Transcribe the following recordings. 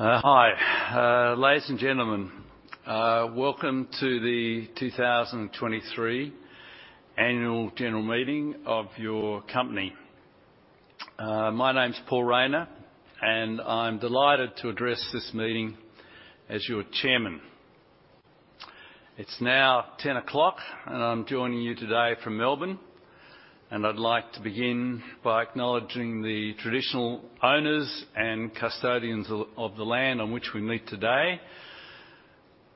Hi, ladies and gentlemen. Welcome to the 2023 Annual General Meeting of your company. My name is Paul Rayner, and I'm delighted to address this meeting as your chairman. It's now 10:00 A.M., and I'm joining you today from Melbourne, and I'd like to begin by acknowledging the traditional owners and custodians of the land on which we meet today,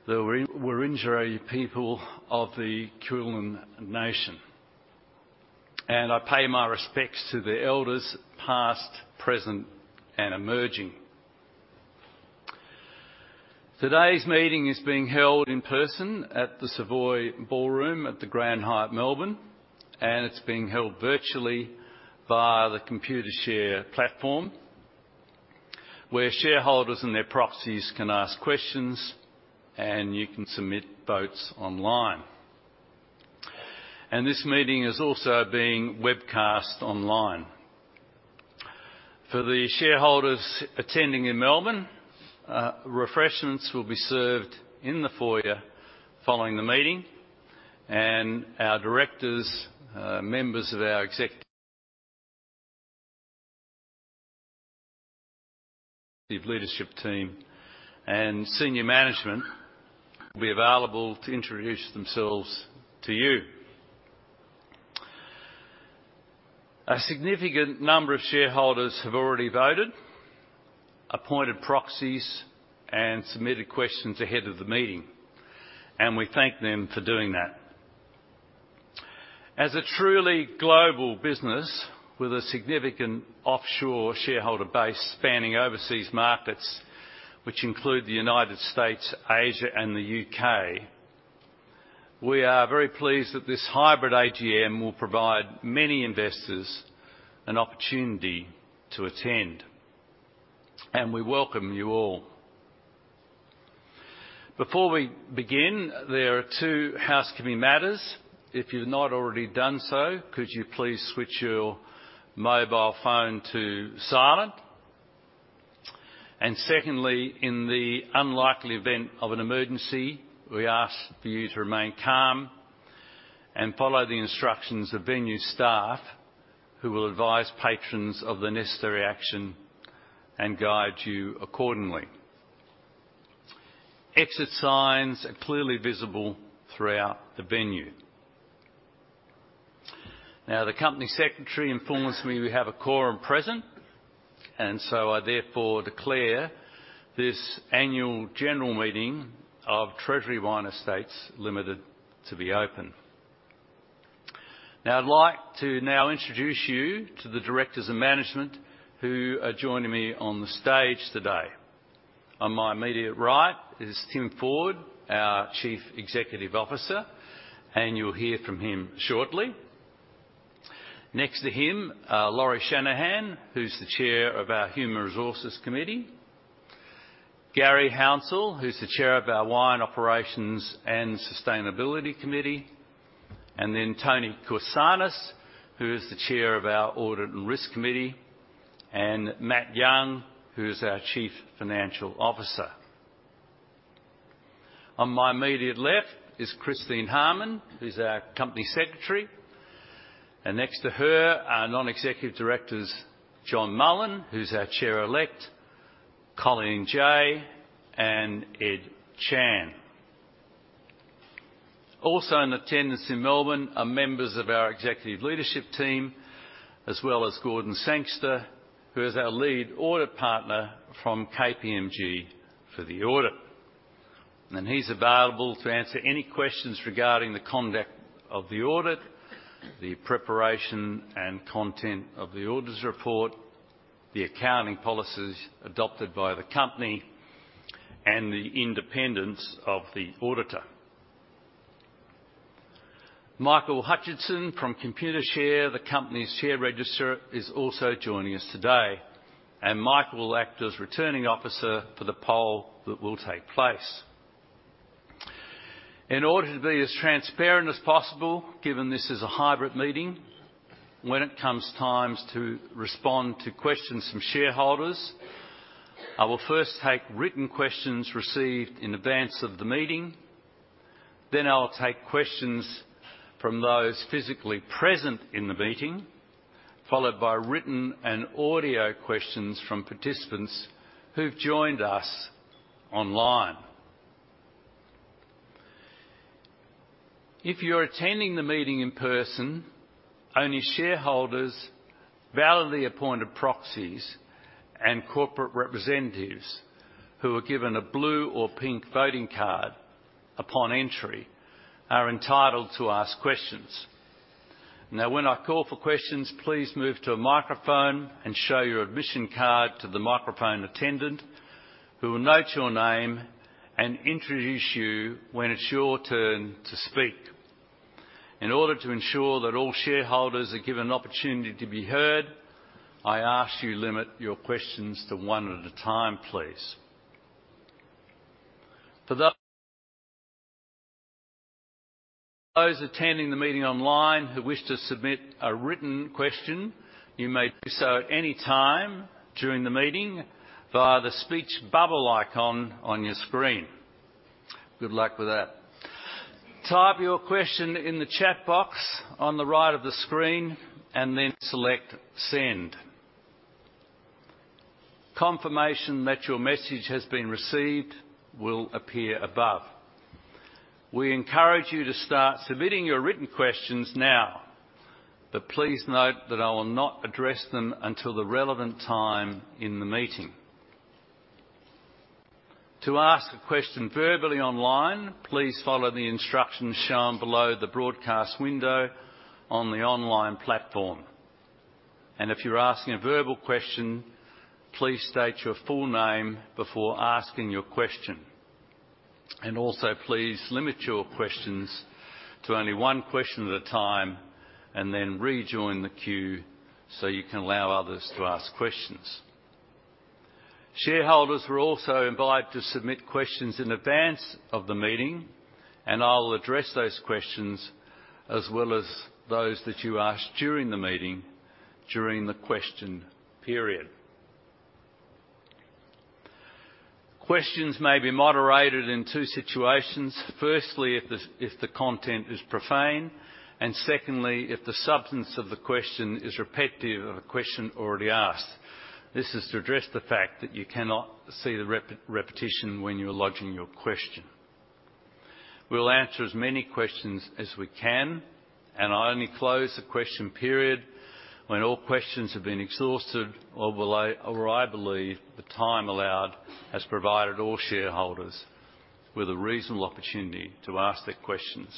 the Wurundjeri people of the Kulin Nation, and I pay my respects to the elders, past, present, and emerging. Today's meeting is being held in person at the Savoy Ballroom at the Grand Hyatt Melbourne, and it's being held virtually via the Computershare platform, where shareholders and their proxies can ask questions, and you can submit votes online. This meeting is also being webcast online. For the shareholders attending in Melbourne, refreshments will be served in the foyer following the meeting, and our directors, members of our executive leadership team and senior management will be available to introduce themselves to you. A significant number of shareholders have already voted, appointed proxies, and submitted questions ahead of the meeting, and we thank them for doing that. As a truly global business with a significant offshore shareholder base spanning overseas markets, which include the United States, Asia, and the U.K., we are very pleased that this hybrid AGM will provide many investors an opportunity to attend, and we welcome you all. Before we begin, there are two housekeeping matters. If you've not already done so, could you please switch your mobile phone to silent? And secondly, in the unlikely event of an emergency, we ask for you to remain calm and follow the instructions of venue staff, who will advise patrons of the necessary action and guide you accordingly. Exit signs are clearly visible throughout the venue. Now, the company secretary informs me we have a quorum present, and so I therefore declare this annual general meeting of Treasury Wine Estates Limited to be open. Now, I'd like to now introduce you to the directors and management who are joining me on the stage today. On my immediate right is Tim Ford, our Chief Executive Officer, and you'll hear from him shortly. Next to him, Lauri Shanahan, who's the Chair of our Human Resources Committee. Garry Hounsell, who's the Chair of our Wine Operations and Sustainability Committee; and then Antonia Korsanos, who is the Chair of our Audit and Risk Committee; and Matt Young, who is our Chief Financial Officer. On my immediate left is Christine Harman, who's our Company Secretary, and next to her are non-executive directors, John Mullen, who's our Chair Elect, Colleen Jay, and Ed Chan. Also in attendance in Melbourne are members of our executive leadership team, as well as Gordon Sangster, who is our Lead Audit Partner from KPMG for the audit. He's available to answer any questions regarding the conduct of the audit, the preparation and content of the auditor's report, the accounting policies adopted by the company, and the independence of the auditor. Michael Hutchison from Computershare, the company's share registrar, is also joining us today, and Michael will act as Returning Officer for the poll that will take place. In order to be as transparent as possible, given this is a hybrid meeting, when it comes time to respond to questions from shareholders, I will first take written questions received in advance of the meeting. Then I'll take questions from those physically present in the meeting, followed by written and audio questions from participants who've joined us online. If you're attending the meeting in person, only shareholders, validly appointed proxies, and corporate representatives who were given a blue or pink voting card upon entry are entitled to ask questions. Now, when I call for questions, please move to a microphone and show your admission card to the microphone attendant, who will note your name and introduce you when it's your turn to speak. In order to ensure that all shareholders are given an opportunity to be heard, I ask you to limit your questions to one at a time, please. For those attending the meeting online who wish to submit a written question, you may do so at any time during the meeting via the speech bubble icon on your screen. Good luck with that. Type your question in the chat box on the right of the screen and then select Send. Confirmation that your message has been received will appear above. We encourage you to start submitting your written questions now, but please note that I will not address them until the relevant time in the meeting. To ask a question verbally online, please follow the instructions shown below the broadcast window on the online platform. If you're asking a verbal question, please state your full name before asking your question. Also, please limit your questions to only one question at a time, and then rejoin the queue so you can allow others to ask questions. Shareholders were also invited to submit questions in advance of the meeting, and I will address those questions as well as those that you ask during the meeting, during the question period. Questions may be moderated in two situations. Firstly, if the content is profane, and secondly, if the substance of the question is repetitive of a question already asked. This is to address the fact that you cannot see the repetition when you are lodging your question. We will answer as many questions as we can, and I only close the question period when all questions have been exhausted, or I believe the time allowed has provided all shareholders with a reasonable opportunity to ask their questions.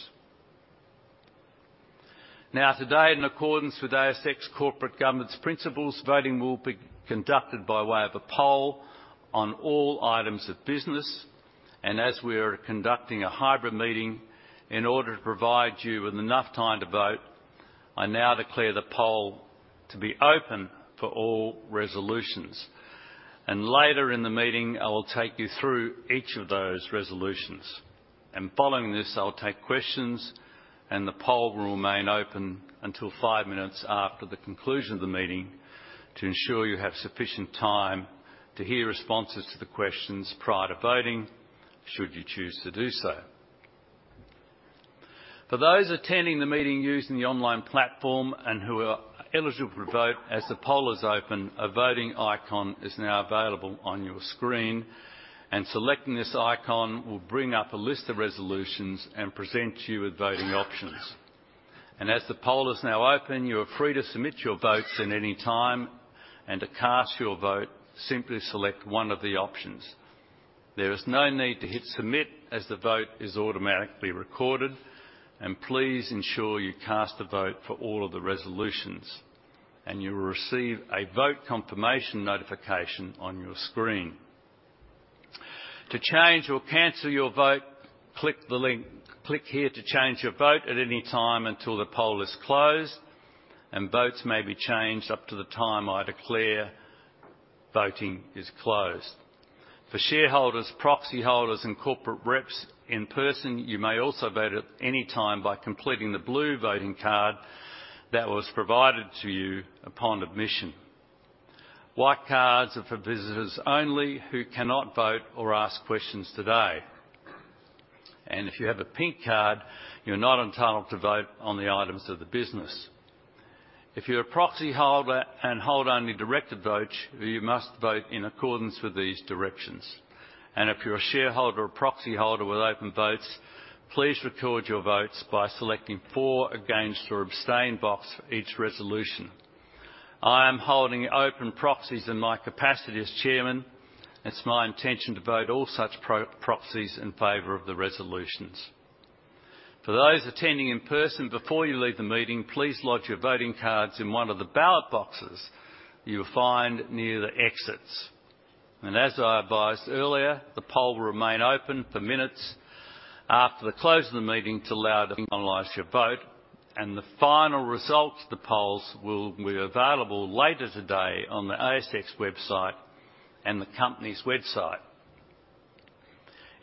Now, today, in accordance with ASX Corporate Governance Principles, voting will be conducted by way of a poll on all items of business, and as we are conducting a hybrid meeting, in order to provide you with enough time to vote, I now declare the poll to be open for all resolutions. Later in the meeting, I will take you through each of those resolutions. Following this, I'll take questions, and the poll will remain open until five minutes after the conclusion of the meeting to ensure you have sufficient time to hear responses to the questions prior to voting, should you choose to do so. For those attending the meeting using the online platform and who are eligible to vote, as the poll is open, a voting icon is now available on your screen, and selecting this icon will bring up a list of resolutions and present you with voting options. As the poll is now open, you are free to submit your votes in any time, and to cast your vote, simply select one of the options. There is no need to hit Submit as the vote is automatically recorded. Please ensure you cast a vote for all of the resolutions, and you will receive a vote confirmation notification on your screen. To change or cancel your vote, click the link. Click here to change your vote at any time until the poll is closed, and votes may be changed up to the time I declare voting is closed. For shareholders, proxy holders, and corporate reps in person, you may also vote at any time by completing the blue voting card that was provided to you upon admission. White cards are for visitors only who cannot vote or ask questions today. If you have a pink card, you're not entitled to vote on the items of the business. If you're a proxy holder and hold only directed votes, you must vote in accordance with these directions. And if you're a shareholder or proxy holder with open votes, please record your votes by selecting For, Against, or Abstain box for each resolution. I am holding open proxies in my capacity as chairman. It's my intention to vote all such proxies in favor of the resolutions. For those attending in person, before you leave the meeting, please lodge your voting cards in one of the ballot boxes you will find near the exits. And as I advised earlier, the poll will remain open for minutes after the close of the meeting to allow to finalize your vote, and the final results of the polls will be available later today on the ASX website and the company's website.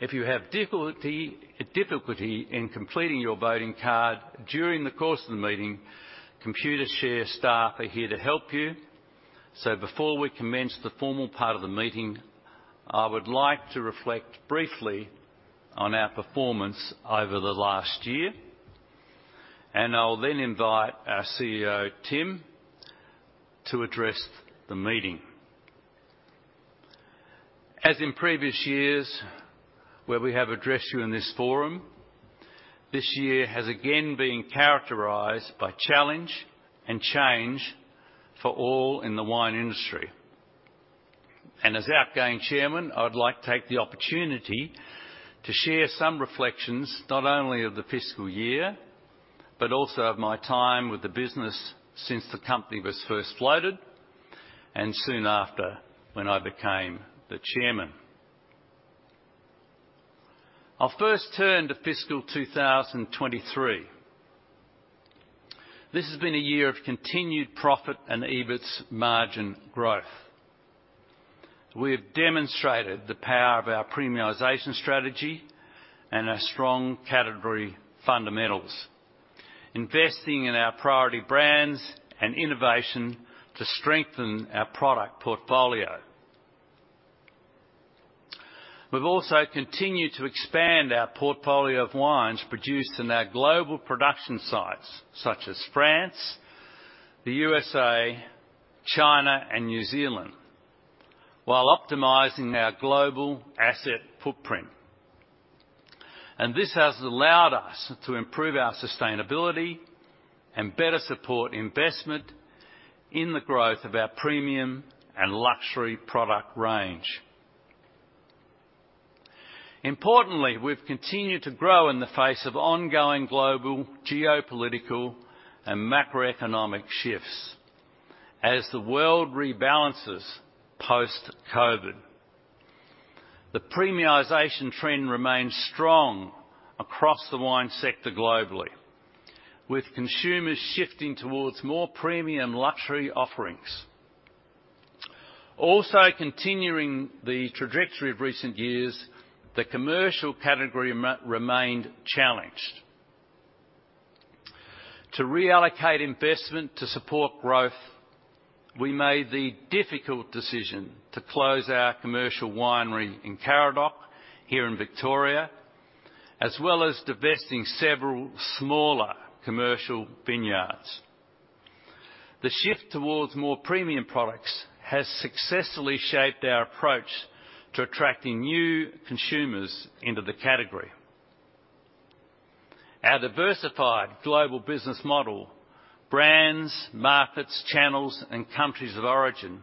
If you have difficulty in completing your voting card during the course of the meeting, Computershare staff are here to help you. So before we commence the formal part of the meeting, I would like to reflect briefly on our performance over the last year, and I'll then invite our CEO, Tim, to address the meeting. As in previous years, where we have addressed you in this forum, this year has again been characterized by challenge and change for all in the wine industry. And as outgoing chairman, I would like to take the opportunity to share some reflections, not only of the fiscal year, but also of my time with the business since the company was first floated, and soon after, when I became the chairman. I'll first turn to fiscal 2023. This has been a year of continued profit and EBITS margin growth. We have demonstrated the power of our premiumization strategy and our strong category fundamentals, investing in our priority brands and innovation to strengthen our product portfolio. We've also continued to expand our portfolio of wines produced in our global production sites, such as France, the USA, China, and New Zealand, while optimizing our global asset footprint. This has allowed us to improve our sustainability and better support investment in the growth of our premium and luxury product range. Importantly, we've continued to grow in the face of ongoing global, geopolitical, and macroeconomic shifts as the world rebalances post-COVID. The premiumization trend remains strong across the wine sector globally, with consumers shifting towards more premium luxury offerings. Also, continuing the trajectory of recent years, the commercial category remained challenged. To reallocate investment to support growth, we made the difficult decision to close our commercial winery in Karadoc, here in Victoria, as well as divesting several smaller commercial vineyards. The shift towards more premium products has successfully shaped our approach to attracting new consumers into the category. Our diversified global business model, brands, markets, channels, and countries of origin,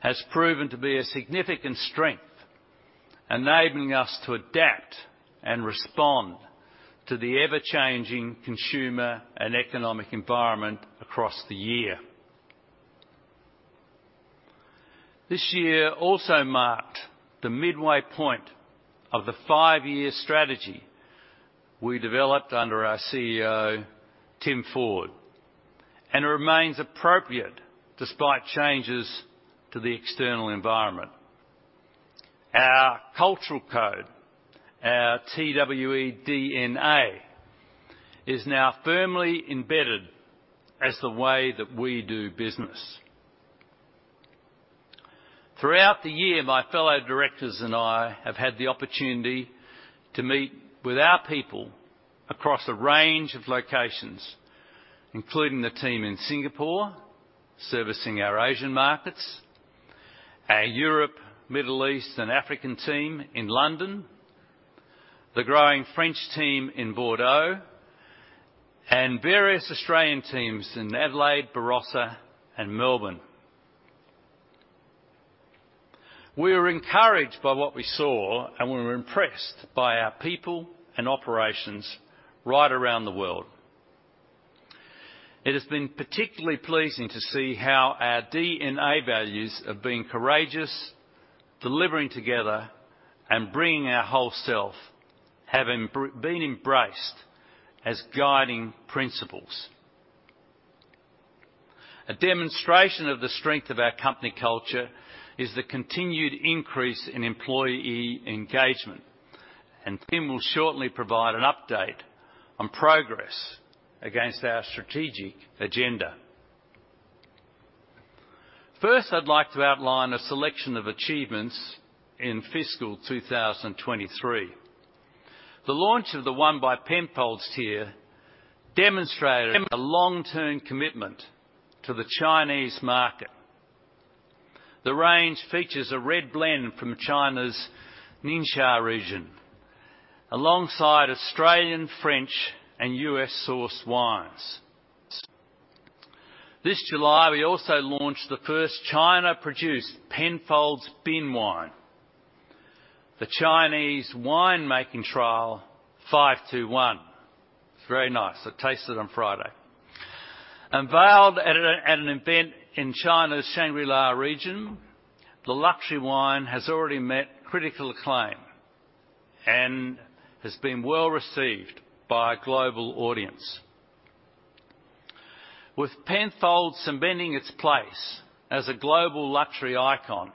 has proven to be a significant strength, enabling us to adapt and respond to the ever-changing consumer and economic environment across the year. This year also marked the midway point of the five-year strategy we developed under our CEO, Tim Ford, and it remains appropriate despite changes to the external environment. Our cultural code, our TWE DNA, is now firmly embedded as the way that we do business. Throughout the year, my fellow directors and I have had the opportunity to meet with our people across a range of locations, including the team in Singapore, servicing our Asian markets, our Europe, Middle East, and African team in London, the growing French team in Bordeaux, and various Australian teams in Adelaide, Barossa, and Melbourne. We were encouraged by what we saw, and we were impressed by our people and operations right around the world. It has been particularly pleasing to see how our DNA values of being courageous, delivering together, and bringing our whole self have been embraced as guiding principles. A demonstration of the strength of our company culture is the continued increase in employee engagement, and Tim will shortly provide an update on progress against our strategic agenda. First, I'd like to outline a selection of achievements in fiscal 2023. The launch of the One by Penfolds tier demonstrated a long-term commitment to the Chinese market. The range features a red blend from China's Ningxia region, alongside Australian, French, and U.S.-sourced wines. This July, we also launched the first China-produced Penfolds Bin wine, the Chinese Winemaking Trial 521. It's very nice. I tasted it on Friday. Unveiled at an event in China's Shangri-La region, the luxury wine has already met critical acclaim and has been well received by a global audience. With Penfolds cementing its place as a global luxury icon,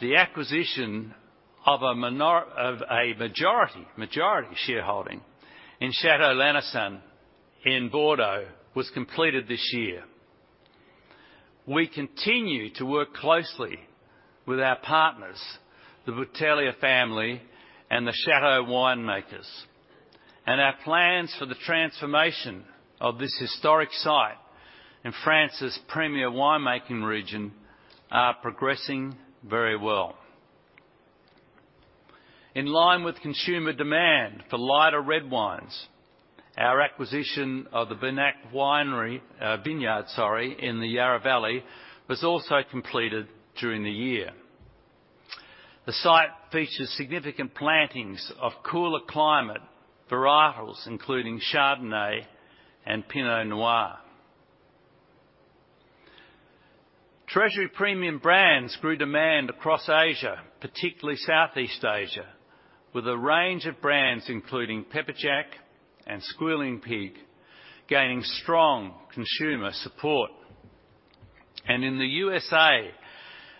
the acquisition of a majority shareholding in Château Lanessan in Bordeaux was completed this year. We continue to work closely with our partners, the Bouteiller family and the Château winemakers, and our plans for the transformation of this historic site in France's premier winemaking region are progressing very well. In line with consumer demand for lighter red wines, our acquisition of the Beenak Vineyard in the Yarra Valley was also completed during the year. The site features significant plantings of cooler climate varietals, including Chardonnay and Pinot Noir. Treasury Premium Brands grew demand across Asia, particularly Southeast Asia, with a range of brands, including Pepperjack and Squealing Pig, gaining strong consumer support. In the USA,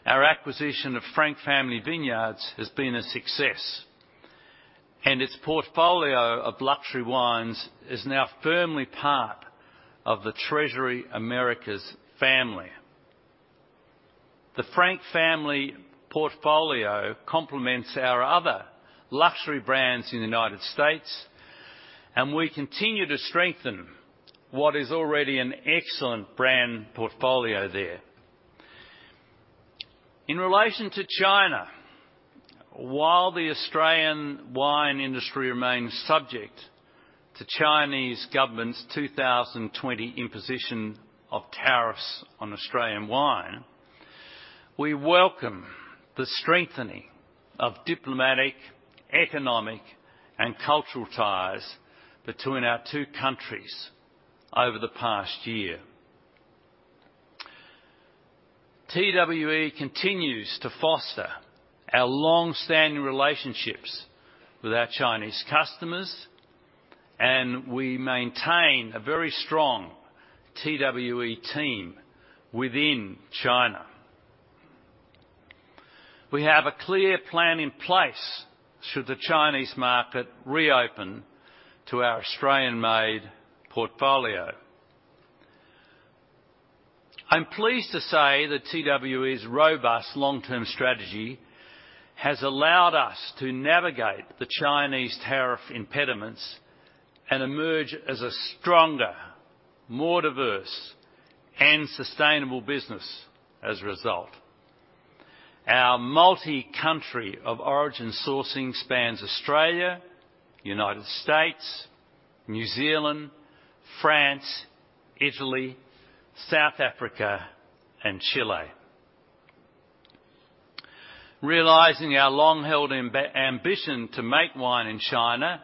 our acquisition of Frank Family Vineyards has been a success, and its portfolio of luxury wines is now firmly part of the Treasury Americas family. The Frank Family portfolio complements our other luxury brands in the United States, and we continue to strengthen what is already an excellent brand portfolio there. In relation to China, while the Australian wine industry remains subject to Chinese government's 2020 imposition of tariffs on Australian wine, we welcome the strengthening of diplomatic, economic, and cultural ties between our two countries over the past year. TWE continues to foster our long-standing relationships with our Chinese customers, and we maintain a very strong TWE team within China. We have a clear plan in place should the Chinese market reopen to our Australian-made portfolio. I'm pleased to say that TWE's robust long-term strategy has allowed us to navigate the Chinese tariff impediments and emerge as a stronger, more diverse, and sustainable business as a result. Our multi-country of origin sourcing spans Australia, United States, New Zealand, France, Italy, South Africa, and Chile. Realizing our long-held ambition to make wine in China,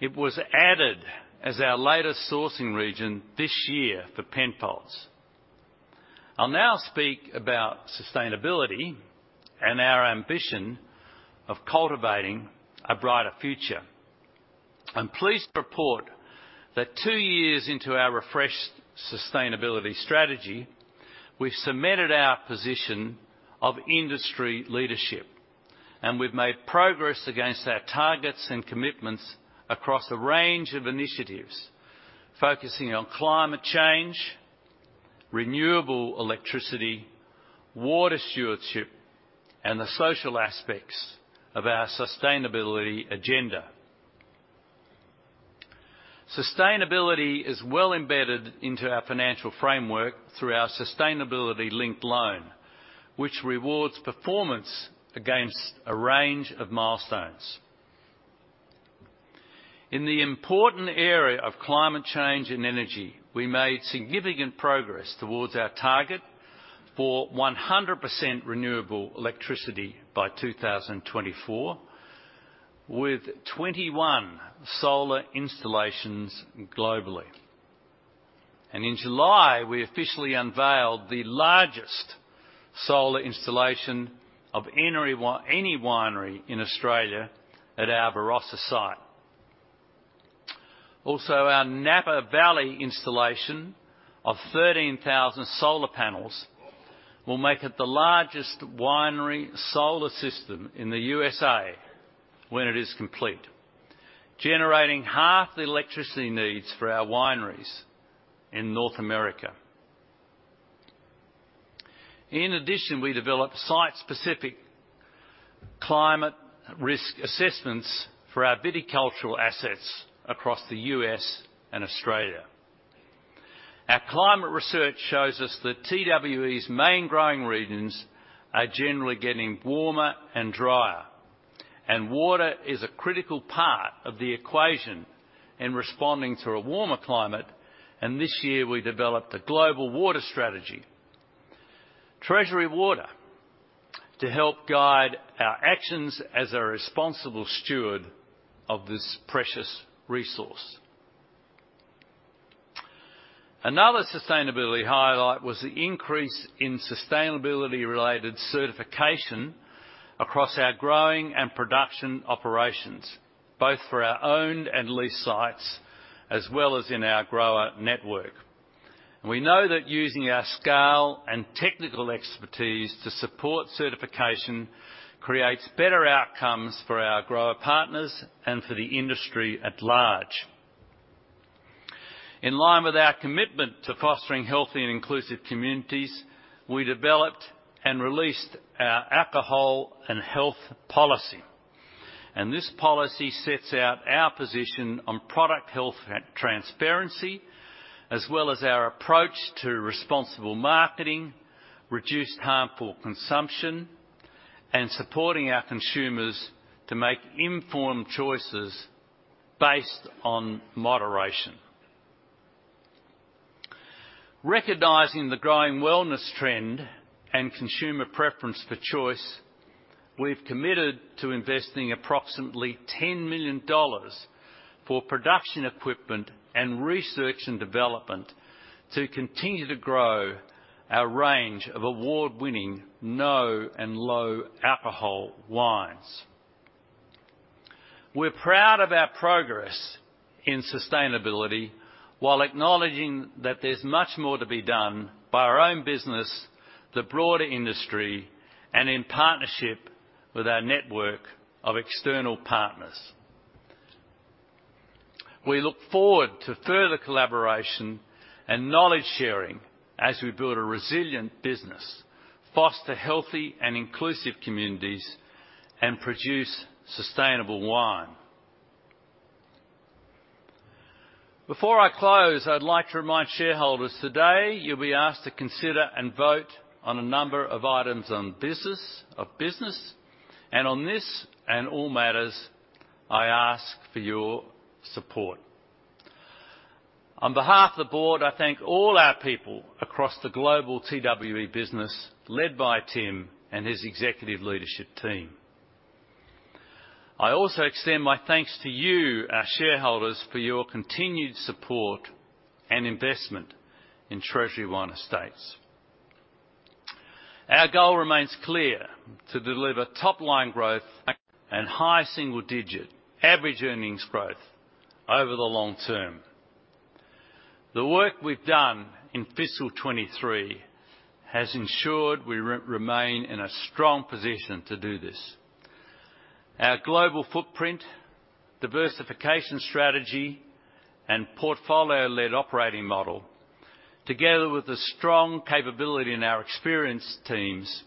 it was added as our latest sourcing region this year for Penfolds. I'll now speak about sustainability and our ambition of cultivating a brighter future. I'm pleased to report that years into our refreshed sustainability strategy, we've cemented our position of industry leadership, and we've made progress against our targets and commitments across a range of initiatives focusing on climate change, renewable electricity, water stewardship, and the social aspects of our sustainability agenda. Sustainability is well embedded into our financial framework through our sustainability-linked loan, which rewards performance against a range of milestones. In the important area of climate change and energy, we made significant progress towards our target for 100% renewable electricity by 2024, with 21 solar installations globally. In July, we officially unveiled the largest solar installation of any winery in Australia at our Barossa site. Also, our Napa Valley installation of 13,000 solar panels will make it the largest winery solar system in the USA when it is complete, generating half the electricity needs for our wineries in North America. In addition, we developed site-specific climate risk assessments for our viticultural assets across the U.S. and Australia. Our climate research shows us that TWE's main growing regions are generally getting warmer and drier, and water is a critical part of the equation in responding to a warmer climate, and this year, we developed a global water strategy, Treasury Water, to help guide our actions as a responsible steward of this precious resource. Another sustainability highlight was the increase in sustainability-related certification across our growing and production operations, both for our owned and leased sites, as well as in our grower network. We know that using our scale and technical expertise to support certification creates better outcomes for our grower partners and for the industry at large. In line with our commitment to fostering healthy and inclusive communities, we developed and released our alcohol and health policy, and this policy sets out our position on product health and transparency, as well as our approach to responsible marketing, reduced harmful consumption, and supporting our consumers to make informed choices based on moderation. Recognizing the growing wellness trend and consumer preference for choice. We've committed to investing approximately 10 million dollars for production equipment and research and development to continue to grow our range of award-winning, no and low alcohol wines. We're proud of our progress in sustainability, while acknowledging that there's much more to be done by our own business, the broader industry, and in partnership with our network of external partners. We look forward to further collaboration and knowledge sharing as we build a resilient business, foster healthy and inclusive communities, and produce sustainable wine. Before I close, I'd like to remind shareholders, today, you'll be asked to consider and vote on a number of items of business, and on this and all matters, I ask for your support. On behalf of the Board, I thank all our people across the global TWE business, led by Tim and his executive leadership team. I also extend my thanks to you, our shareholders, for your continued support and investment in Treasury Wine Estates. Our goal remains clear: to deliver top-line growth and high single-digit average earnings growth over the long term. The work we've done in fiscal 2023 has ensured we remain in a strong position to do this. Our global footprint, diversification strategy, and portfolio-led operating model, together with the strong capability in our experienced teams,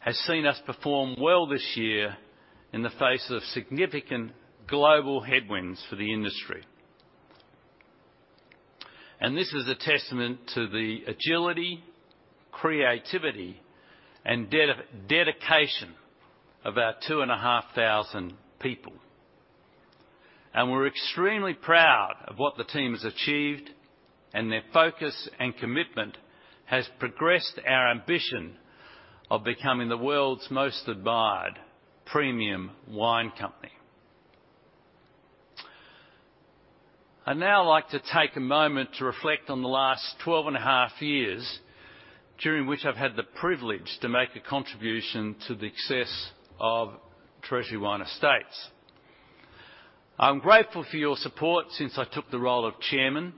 has seen us perform well this year in the face of significant global headwinds for the industry. This is a testament to the agility, creativity, and dedication of our 2,500 people, and we're extremely proud of what the team has achieved, and their focus and commitment has progressed our ambition of becoming the world's most admired premium wine company. I'd now like to take a moment to reflect on the last 12.5 years, during which I've had the privilege to make a contribution to the success of Treasury Wine Estates. I'm grateful for your support since I took the role of chairman,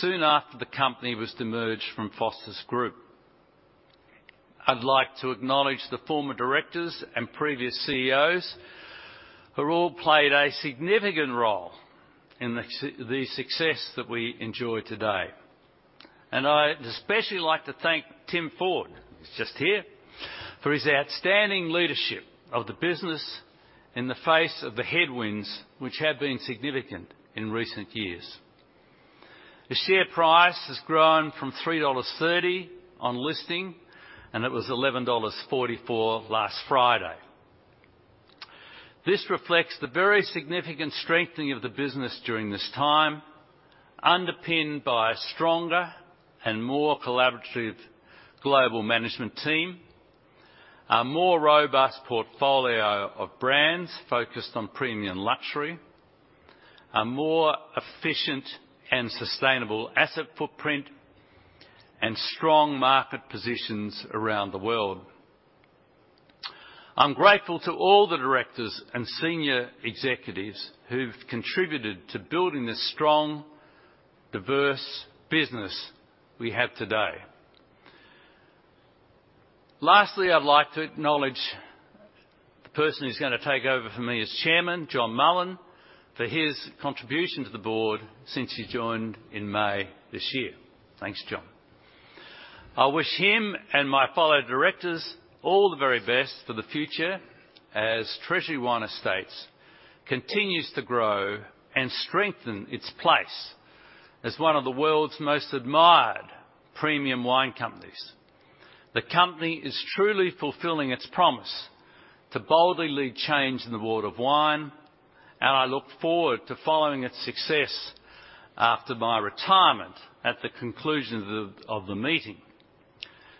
soon after the company was demerged from Foster's Group. I'd like to acknowledge the former directors and previous CEOs, who all played a significant role in the the success that we enjoy today. And I'd especially like to thank Tim Ford, who's just here, for his outstanding leadership of the business in the face of the headwinds, which have been significant in recent years. The share price has grown from 3.30 dollars on listing, and it was 11.44 dollars last Friday. This reflects the very significant strengthening of the business during this time, underpinned by a stronger and more collaborative global management team, a more robust portfolio of brands focused on premium luxury, a more efficient and sustainable asset footprint, and strong market positions around the world. I'm grateful to all the directors and senior executives who've contributed to building this strong, diverse business we have today. Lastly, I'd like to acknowledge the person who's gonna take over from me as chairman, John Mullen, for his contribution to the board since he joined in May this year. Thanks, John. I wish him and my fellow directors all the very best for the future as Treasury Wine Estates continues to grow and strengthen its place as one of the world's most admired premium wine companies. The company is truly fulfilling its promise to boldly lead change in the world of wine, and I look forward to following its success after my retirement at the conclusion of the meeting.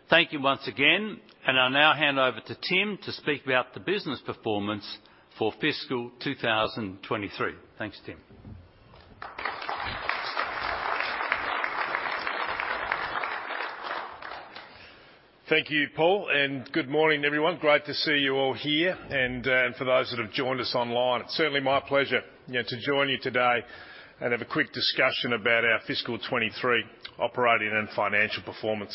Thank you once again, and I'll now hand over to Tim to speak about the business performance for fiscal 2023. Thanks, Tim. Thank you, Paul, and good morning, everyone. Great to see you all here, and for those that have joined us online. It's certainly my pleasure, you know, to join you today and have a quick discussion about our fiscal 2023 operating and financial performance.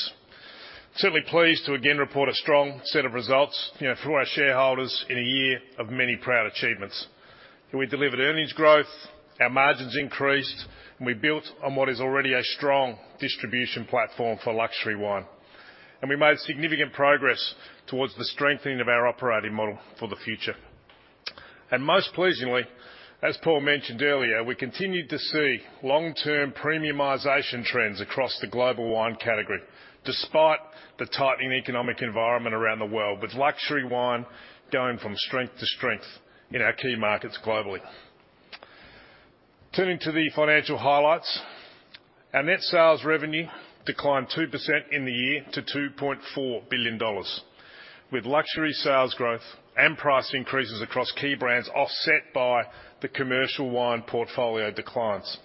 Certainly pleased to again report a strong set of results, you know, for all our shareholders in a year of many proud achievements. We delivered earnings growth, our margins increased, and we built on what is already a strong distribution platform for luxury wine. And we made significant progress towards the strengthening of our operating model for the future. And most pleasingly, as Paul mentioned earlier, we continued to see long-term premiumization trends across the global wine category, despite the tightening economic environment around the world, with luxury wine going from strength to strength in our key markets globally. Turning to the financial highlights. Our net sales revenue declined 2% in the year to 2.4 billion dollars, with luxury sales growth and price increases across key brands, offset by the commercial wine portfolio declines.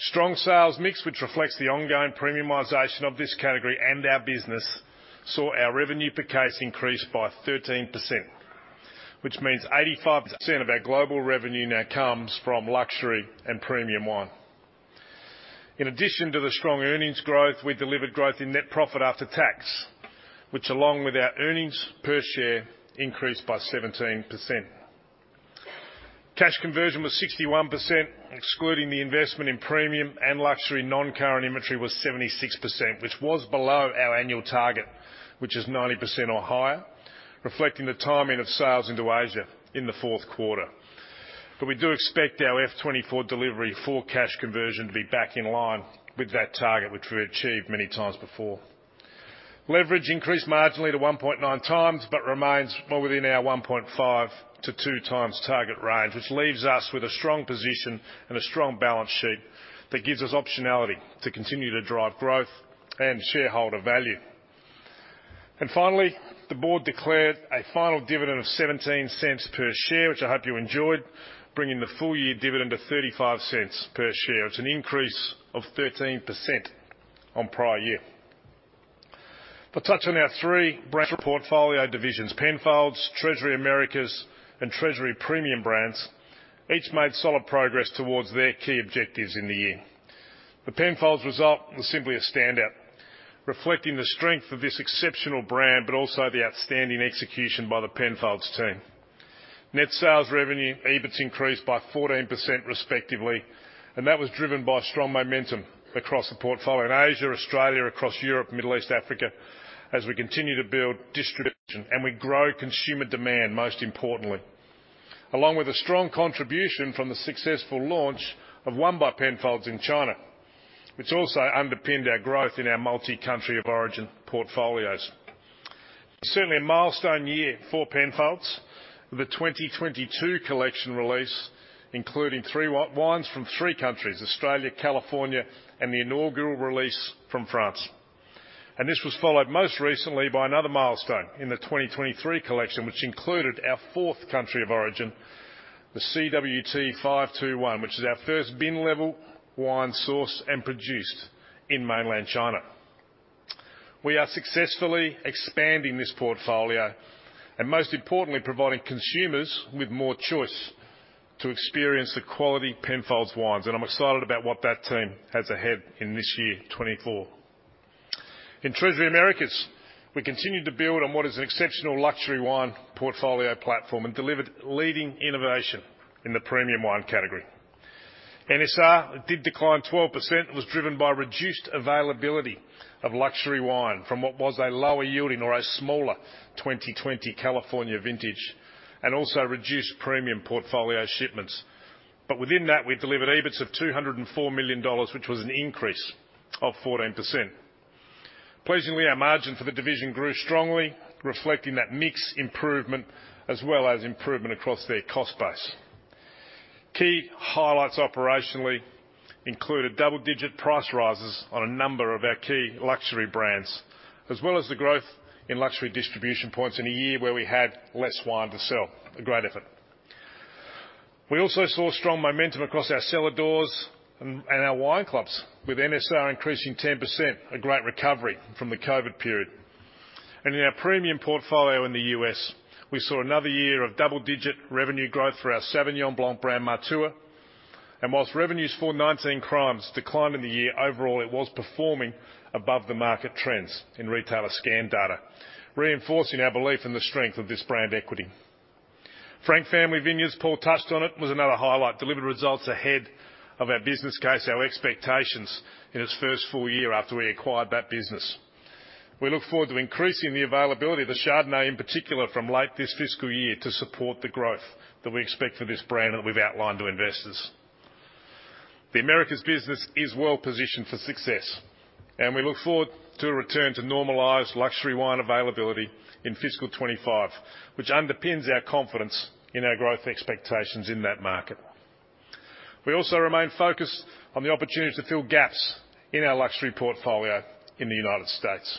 Strong sales mix, which reflects the ongoing premiumization of this category and our business, saw our revenue per case increase by 13%, which means 85% of our global revenue now comes from luxury and premium wine. In addition to the strong earnings growth, we delivered growth in net profit after tax, which, along with our earnings per share, increased by 17%. Cash conversion was 61%, excluding the investment in premium and luxury, non-current inventory was 76%, which was below our annual target, which is 90% or higher, reflecting the timing of sales into Asia in the fourth quarter. But we do expect our FY 2024 delivery for cash conversion to be back in line with that target, which we have achieved many times before. Leverage increased marginally to 1.9x, but remains well within our 1.5x-2x target range, which leaves us with a strong position and a strong balance sheet that gives us optionality to continue to drive growth and shareholder value. And finally, the Board declared a final dividend of 0.17 per share, which I hope you enjoyed, bringing the full year dividend to 0.35 per share. It's an increase of 13% on prior year. But touching on our three brand portfolio divisions, Penfolds, Treasury Americas, and Treasury Premium Brands, each made solid progress towards their key objectives in the year. The Penfolds result was simply a standout, reflecting the strength of this exceptional brand, but also the outstanding execution by the Penfolds team. Net sales revenue, EBITS increased by 14%, respectively, and that was driven by strong momentum across the portfolio in Asia, Australia, across Europe, Middle East, Africa, as we continue to build distribution and we grow consumer demand, most importantly. Along with a strong contribution from the successful launch of One by Penfolds in China, which also underpinned our growth in our multi-country of origin portfolios. Certainly, a milestone year for Penfolds. The 2022 collection release, including three wines from three countries, Australia, California, and the inaugural release from France. This was followed most recently by another milestone in the 2023 collection, which included our fourth country of origin, the CWT 521, which is our first Bin-level wine sourced and produced in mainland China. We are successfully expanding this portfolio and, most importantly, providing consumers with more choice to experience the quality Penfolds wines, and I'm excited about what that team has ahead in this year, 2024. In Treasury Americas, we continued to build on what is an exceptional luxury wine portfolio platform and delivered leading innovation in the premium wine category. NSR, it did decline 12%. It was driven by reduced availability of luxury wine from what was a lower yielding or a smaller 2020 California vintage, and also reduced premium portfolio shipments. But within that, we delivered EBITS of $204 million, which was an increase of 14%. Pleasingly, our margin for the division grew strongly, reflecting that mix improvement, as well as improvement across their cost base. Key highlights operationally included double-digit price rises on a number of our key luxury brands, as well as the growth in luxury distribution points in a year where we had less wine to sell. A great effort. We also saw strong momentum across our cellar doors and our wine clubs, with NSR increasing 10%, a great recovery from the COVID period. And in our premium portfolio in the U.S., we saw another year of double-digit revenue growth for our Sauvignon Blanc brand, Matua. And while revenues for 19 Crimes declined in the year, overall, it was performing above the market trends in retailer scan data, reinforcing our belief in the strength of this brand equity. Frank Family Vineyards, Paul touched on it, was another highlight, delivered results ahead of our business case, our expectations in its first full year after we acquired that business. We look forward to increasing the availability of the Chardonnay, in particular, from late this fiscal year to support the growth that we expect for this brand that we've outlined to investors. The Americas business is well positioned for success, and we look forward to a return to normalized luxury wine availability in fiscal 2025, which underpins our confidence in our growth expectations in that market. We also remain focused on the opportunity to fill gaps in our luxury portfolio in the United States.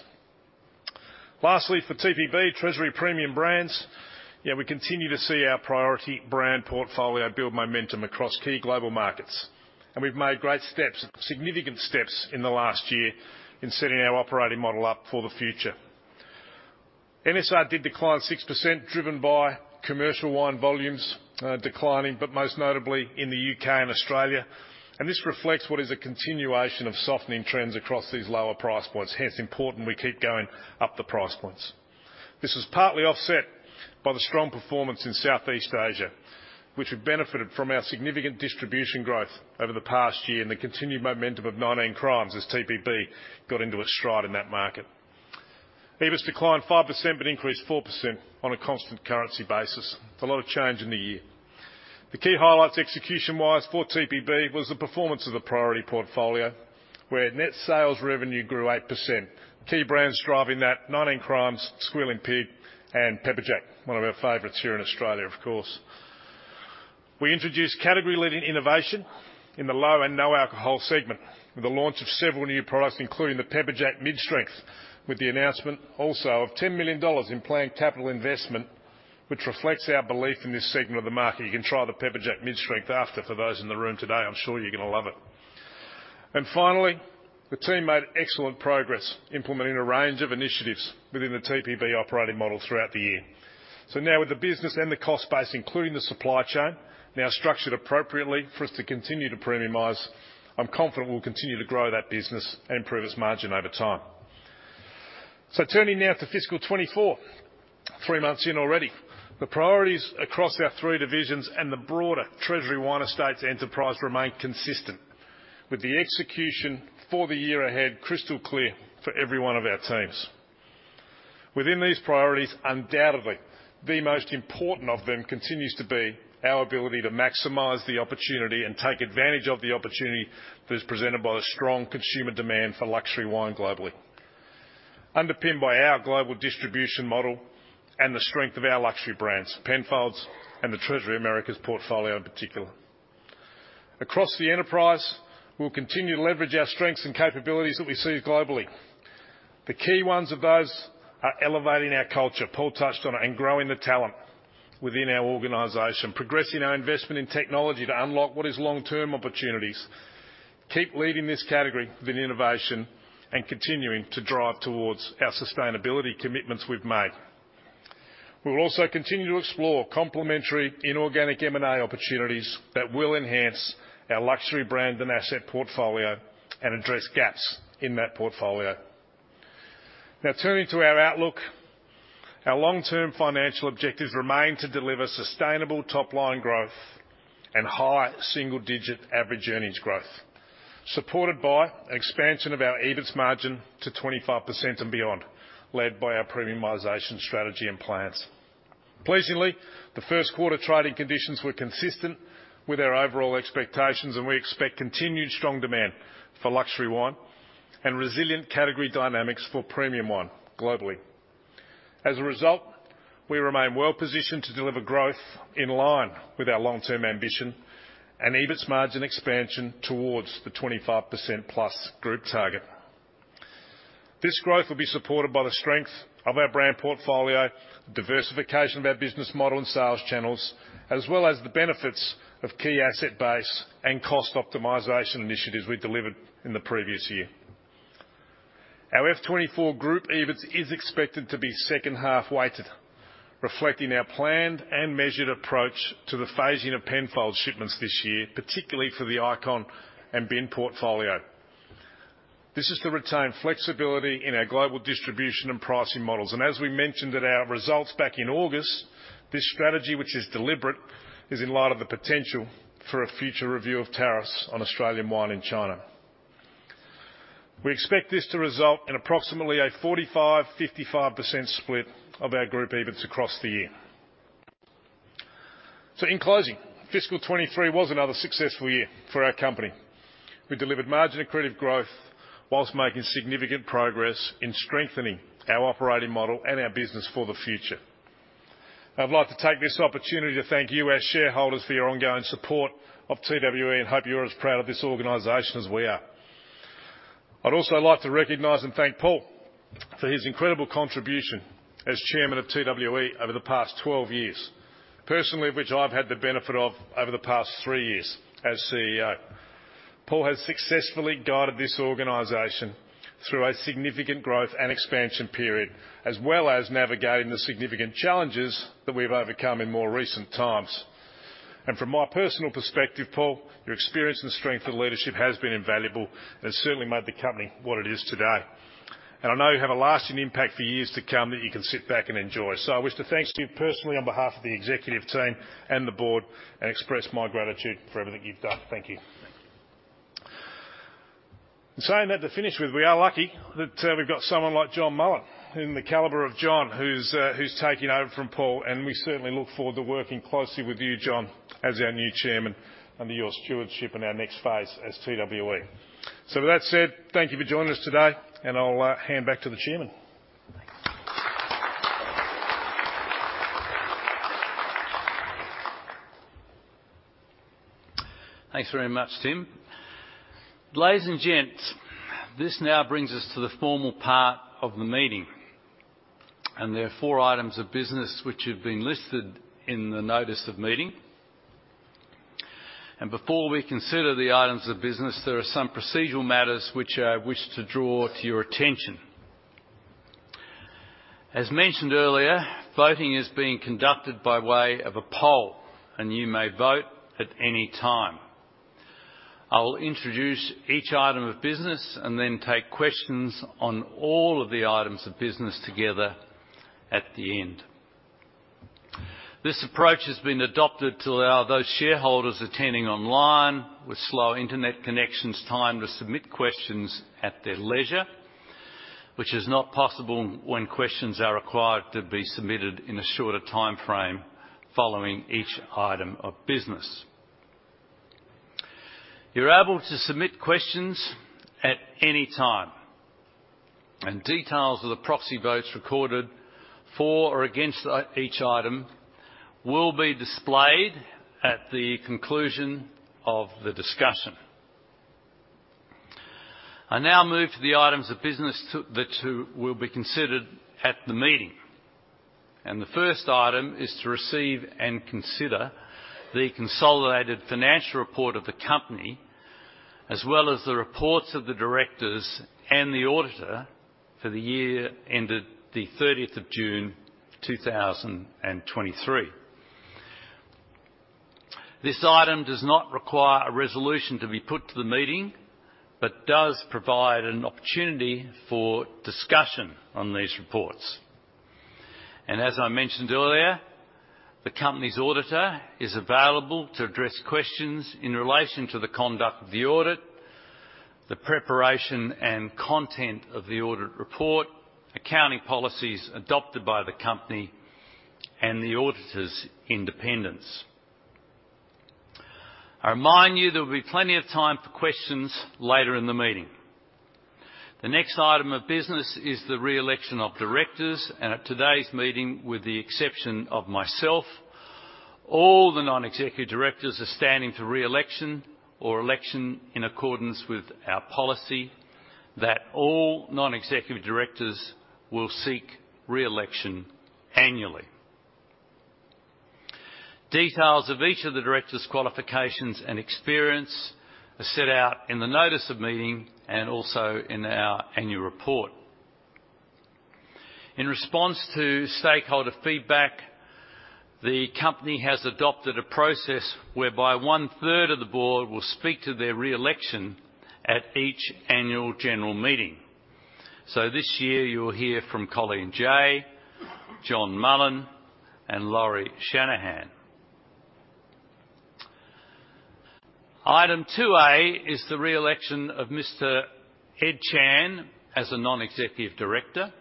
Lastly, for TPB, Treasury Premium Brands, yeah, we continue to see our priority brand portfolio build momentum across key global markets, and we've made great steps, significant steps in the last year in setting our operating model up for the future. NSR did decline 6%, driven by commercial wine volumes declining, but most notably in the U.K. and Australia, and this reflects what is a continuation of softening trends across these lower price points, hence, important we keep going up the price points. This was partly offset by the strong performance in Southeast Asia, which have benefited from our significant distribution growth over the past year and the continued momentum of 19 Crimes as TPB got into its stride in that market. EBITS declined 5%, but increased 4% on a constant currency basis. A lot of change in the year. The key highlights, execution-wise, for TPB was the performance of the priority portfolio, where net sales revenue grew 8%. Key brands driving that, 19 Crimes, Squealing Pig, and Pepperjack, one of our favorites here in Australia, of course. We introduced category-leading innovation in the low and no-alcohol segment with the launch of several new products, including the Pepperjack Mid-Strength, with the announcement also of 10 million dollars in planned capital investment, which reflects our belief in this segment of the market. You can try the Pepperjack Mid-Strength after, for those in the room today. I'm sure you're gonna love it. And finally, the team made excellent progress implementing a range of initiatives within the TPB operating model throughout the year. So now with the business and the cost base, including the supply chain, now structured appropriately for us to continue to premiumize, I'm confident we'll continue to grow that business and improve its margin over time. So turning now to fiscal 2024, three months in already, the priorities across our three divisions and the broader Treasury Wine Estates enterprise remain consistent, with the execution for the year ahead, crystal clear for every one of our teams. Within these priorities, undoubtedly, the most important of them continues to be our ability to maximize the opportunity and take advantage of the opportunity that is presented by the strong consumer demand for luxury wine globally, underpinned by our global distribution model and the strength of our luxury brands, Penfolds and the Treasury Americas portfolio, in particular. Across the enterprise, we'll continue to leverage our strengths and capabilities that we see globally. The key ones of those are elevating our culture, Paul touched on it, and growing the talent within our organization, progressing our investment in technology to unlock what is long-term opportunities, keep leading this category with innovation, and continuing to drive towards our sustainability commitments we've made. We will also continue to explore complementary inorganic M&A opportunities that will enhance our luxury brand and asset portfolio and address gaps in that portfolio. Now, turning to our outlook, our long-term financial objectives remain to deliver sustainable top-line growth and high single-digit average earnings growth, supported by expansion of our EBITS margin to 25% and beyond, led by our premiumization strategy and plans. Pleasingly, the first quarter trading conditions were consistent with our overall expectations, and we expect continued strong demand for luxury wine and resilient category dynamics for premium wine globally. As a result, we remain well-positioned to deliver growth in line with our long-term ambition and EBITS margin expansion towards the 25%+ group target. This growth will be supported by the strength of our brand portfolio, diversification of our business model and sales channels, as well as the benefits of key asset base and cost optimization initiatives we delivered in the previous year. Our FY 2024 group EBITS is expected to be second-half weighted, reflecting our planned and measured approach to the phasing of Penfolds shipments this year, particularly for the Icon and Bin portfolio. This is to retain flexibility in our global distribution and pricing models, and as we mentioned at our results back in August, this strategy, which is deliberate, is in light of the potential for a future review of tariffs on Australian wine in China. We expect this to result in approximately a 45%-55% split of our group EBITS across the year. So in closing, fiscal 2023 was another successful year for our company. We delivered margin accretive growth while making significant progress in strengthening our operating model and our business for the future. I'd like to take this opportunity to thank you, our shareholders, for your ongoing support of TWE, and hope you're as proud of this organization as we are. I'd also like to recognize and thank Paul for his incredible contribution as chairman of TWE over the past 12 years, personally of which I've had the benefit of over the past three years as CEO. Paul has successfully guided this organization through a significant growth and expansion period, as well as navigating the significant challenges that we've overcome in more recent times. From my personal perspective, Paul, your experience and strength of leadership has been invaluable and certainly made the company what it is today. I know you have a lasting impact for years to come that you can sit back and enjoy. So I wish to thank you personally on behalf of the executive team and the board, and express my gratitude for everything you've done. Thank you. In saying that, to finish with, we are lucky that we've got someone like John Mullen, in the caliber of John, who's taking over from Paul, and we certainly look forward to working closely with you, John, as our new Chairman under your stewardship in our next phase as TWE. So with that said, thank you for joining us today, and I'll hand back to the Chairman. Thanks very much, Tim. Ladies and gents, this now brings us to the formal part of the meeting, and there are four items of business which have been listed in the notice of meeting. Before we consider the items of business, there are some procedural matters which I wish to draw to your attention. As mentioned earlier, voting is being conducted by way of a poll, and you may vote at any time. I will introduce each item of business and then take questions on all of the items of business together at the end. This approach has been adopted to allow those shareholders attending online with slow internet connections, time to submit questions at their leisure, which is not possible when questions are required to be submitted in a shorter timeframe following each item of business. You're able to submit questions at any time, and details of the proxy votes recorded for or against each item will be displayed at the conclusion of the discussion. I now move to the items of business that will be considered at the meeting, and the first item is to receive and consider the consolidated financial report of the company, as well as the reports of the directors and the auditor for the year ended the 30th of June, 2023. This item does not require a resolution to be put to the meeting, but does provide an opportunity for discussion on these reports. As I mentioned earlier, the company's auditor is available to address questions in relation to the conduct of the audit, the preparation and content of the audit report, accounting policies adopted by the company, and the auditor's independence. I remind you, there will be plenty of time for questions later in the meeting. The next item of business is the re-election of directors, and at today's meeting, with the exception of myself, all the non-executive directors are standing for re-election or election in accordance with our policy that all non-executive directors will seek re-election annually. Details of each of the directors' qualifications and experience are set out in the notice of meeting and also in our annual report. In response to stakeholder feedback, the company has adopted a process whereby 1/3 of the Board will speak to their re-election at each annual general meeting. So this year, you will hear from Colleen Jay, John Mullen, and Lauri Shanahan. Item 2A is the re-election of Mr. Ed Chan as a non-executive director.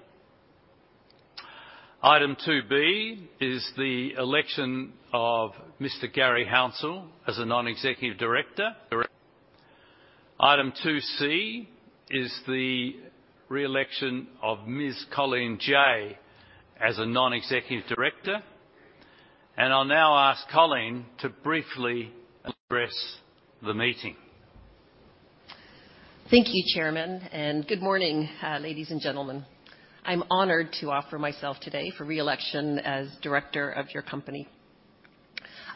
Item 2B is the election of Mr. Garry Hounsell as a non-executive director. Item 2C is the re-election of Ms. Colleen Jay as a non-executive director, and I'll now ask Colleen to briefly address the meeting. Thank you, Chairman, and good morning, ladies and gentlemen. I'm honored to offer myself today for re-election as director of your company.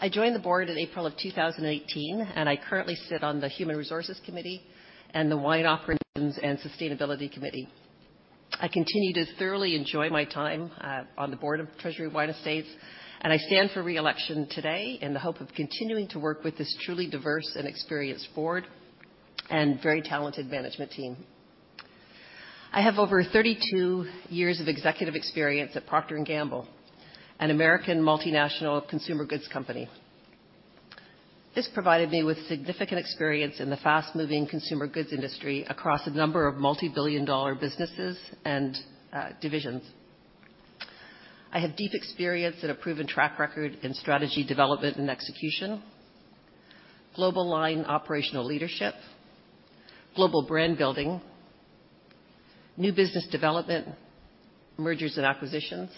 I joined the board in April of 2018, and I currently sit on the Human Resources Committee and the Wine Operations and Sustainability Committee. I continue to thoroughly enjoy my time on the board of Treasury Wine Estates, and I stand for re-election today in the hope of continuing to work with this truly diverse and experienced board and very talented management team. I have over 32 years of executive experience at Procter & Gamble, an American multinational consumer goods company. This provided me with significant experience in the fast-moving consumer goods industry across a number of multibillion-dollar businesses and divisions. I have deep experience and a proven track record in strategy development and execution, global line operational leadership, global brand building, new business development, mergers and acquisitions,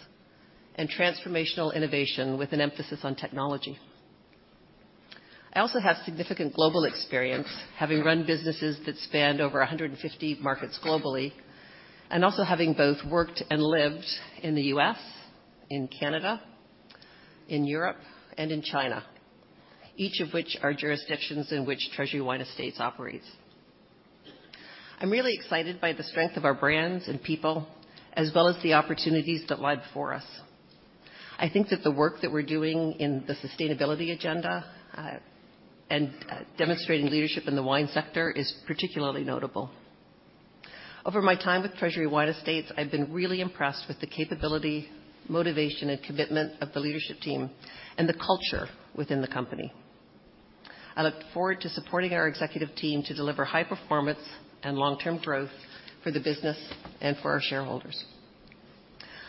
and transformational innovation with an emphasis on technology. I also have significant global experience, having run businesses that spanned over 150 markets globally, and also having both worked and lived in the U.S., in Canada, in Europe, and in China, each of which are jurisdictions in which Treasury Wine Estates operates. I'm really excited by the strength of our brands and people, as well as the opportunities that lie before us. I think that the work that we're doing in the sustainability agenda, and demonstrating leadership in the wine sector is particularly notable. Over my time with Treasury Wine Estates, I've been really impressed with the capability, motivation, and commitment of the leadership team and the culture within the company. I look forward to supporting our executive team to deliver high performance and long-term growth for the business and for our shareholders.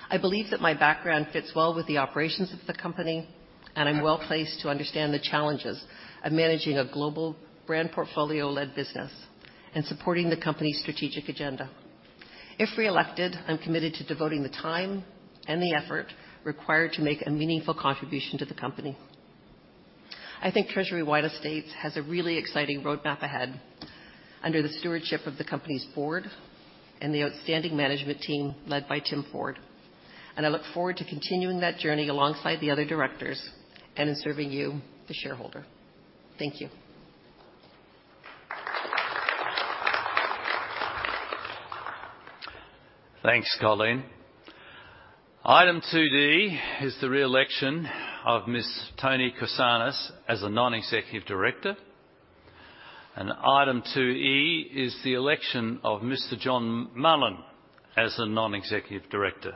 I believe that my background fits well with the operations of the company, and I'm well-placed to understand the challenges of managing a global brand portfolio-led business and supporting the company's strategic agenda. If re-elected, I'm committed to devoting the time and the effort required to make a meaningful contribution to the company. I think Treasury Wine Estates has a really exciting roadmap ahead under the stewardship of the company's board and the outstanding management team, led by Tim Ford, and I look forward to continuing that journey alongside the other directors and in serving you, the shareholder. Thank you. Thanks, Colleen. Item 2D is the re-election of Ms. Antonia Korsanos as a non-executive director, and Item 2E is the election of Mr. John Mullen as a non-executive director.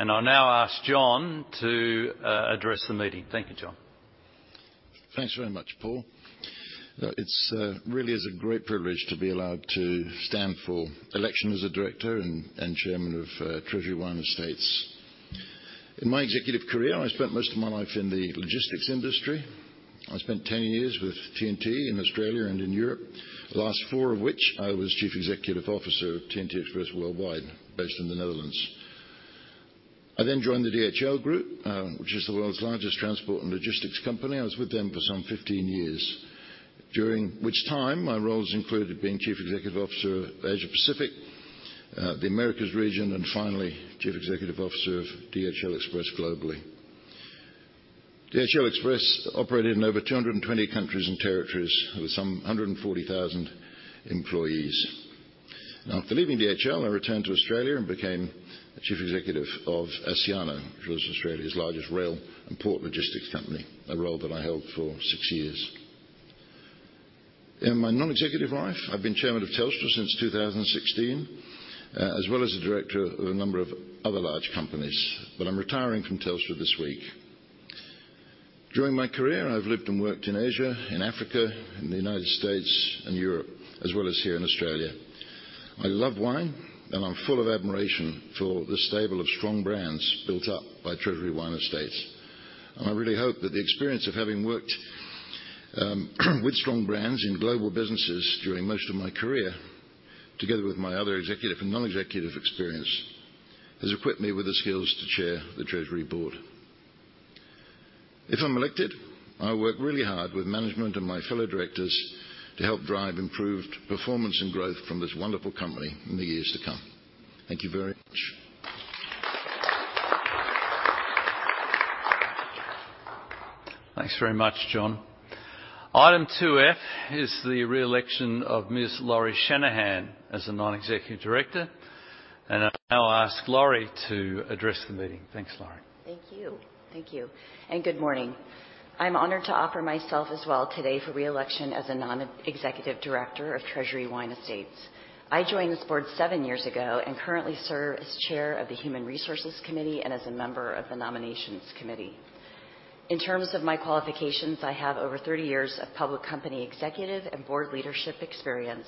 I'll now ask John to address the meeting. Thank you, John. Thanks very much, Paul. It's really is a great privilege to be allowed to stand for election as a director and chairman of Treasury Wine Estates. In my executive career, I spent most of my life in the logistics industry. I spent 10 years with TNT in Australia and in Europe, the last four of which I was Chief Executive Officer of TNT Express Worldwide, based in the Netherlands. I then joined the DHL Group, which is the world's largest transport and logistics company. I was with them for some 15 years, during which time my roles included being Chief Executive Officer of Asia Pacific, the Americas region, and finally, Chief Executive Officer of DHL Express globally. DHL Express operated in over 220 countries and territories, with some 140,000 employees. Now, after leaving DHL, I returned to Australia and became the Chief Executive of Aurizon, which was Australia's largest rail and port logistics company, a role that I held for six years. In my non-executive life, I've been Chairman of Telstra since 2016, as well as a director of a number of other large companies, but I'm retiring from Telstra this week. During my career, I've lived and worked in Asia, in Africa, in the United States and Europe, as well as here in Australia. I love wine, and I'm full of admiration for the stable of strong brands built up by Treasury Wine Estates. And I really hope that the experience of having worked, with strong brands in global businesses during most of my career, together with my other executive and non-executive experience, has equipped me with the skills to chair the Treasury board. If I'm elected, I'll work really hard with management and my fellow directors to help drive improved performance and growth from this wonderful company in the years to come. Thank you very much. Thanks very much, John. Item 2F is the re-election of Ms. Lauri Shanahan as a non-executive director, and I now ask Lauri to address the meeting. Thanks, Lauri. Thank you. Thank you, and good morning. I'm honored to offer myself as well today for re-election as a non-executive director of Treasury Wine Estates. I joined this board seven years ago and currently serve as chair of the Human Resources Committee and as a member of the Nominations Committee. In terms of my qualifications, I have over 30 years of public company, executive and board leadership experience,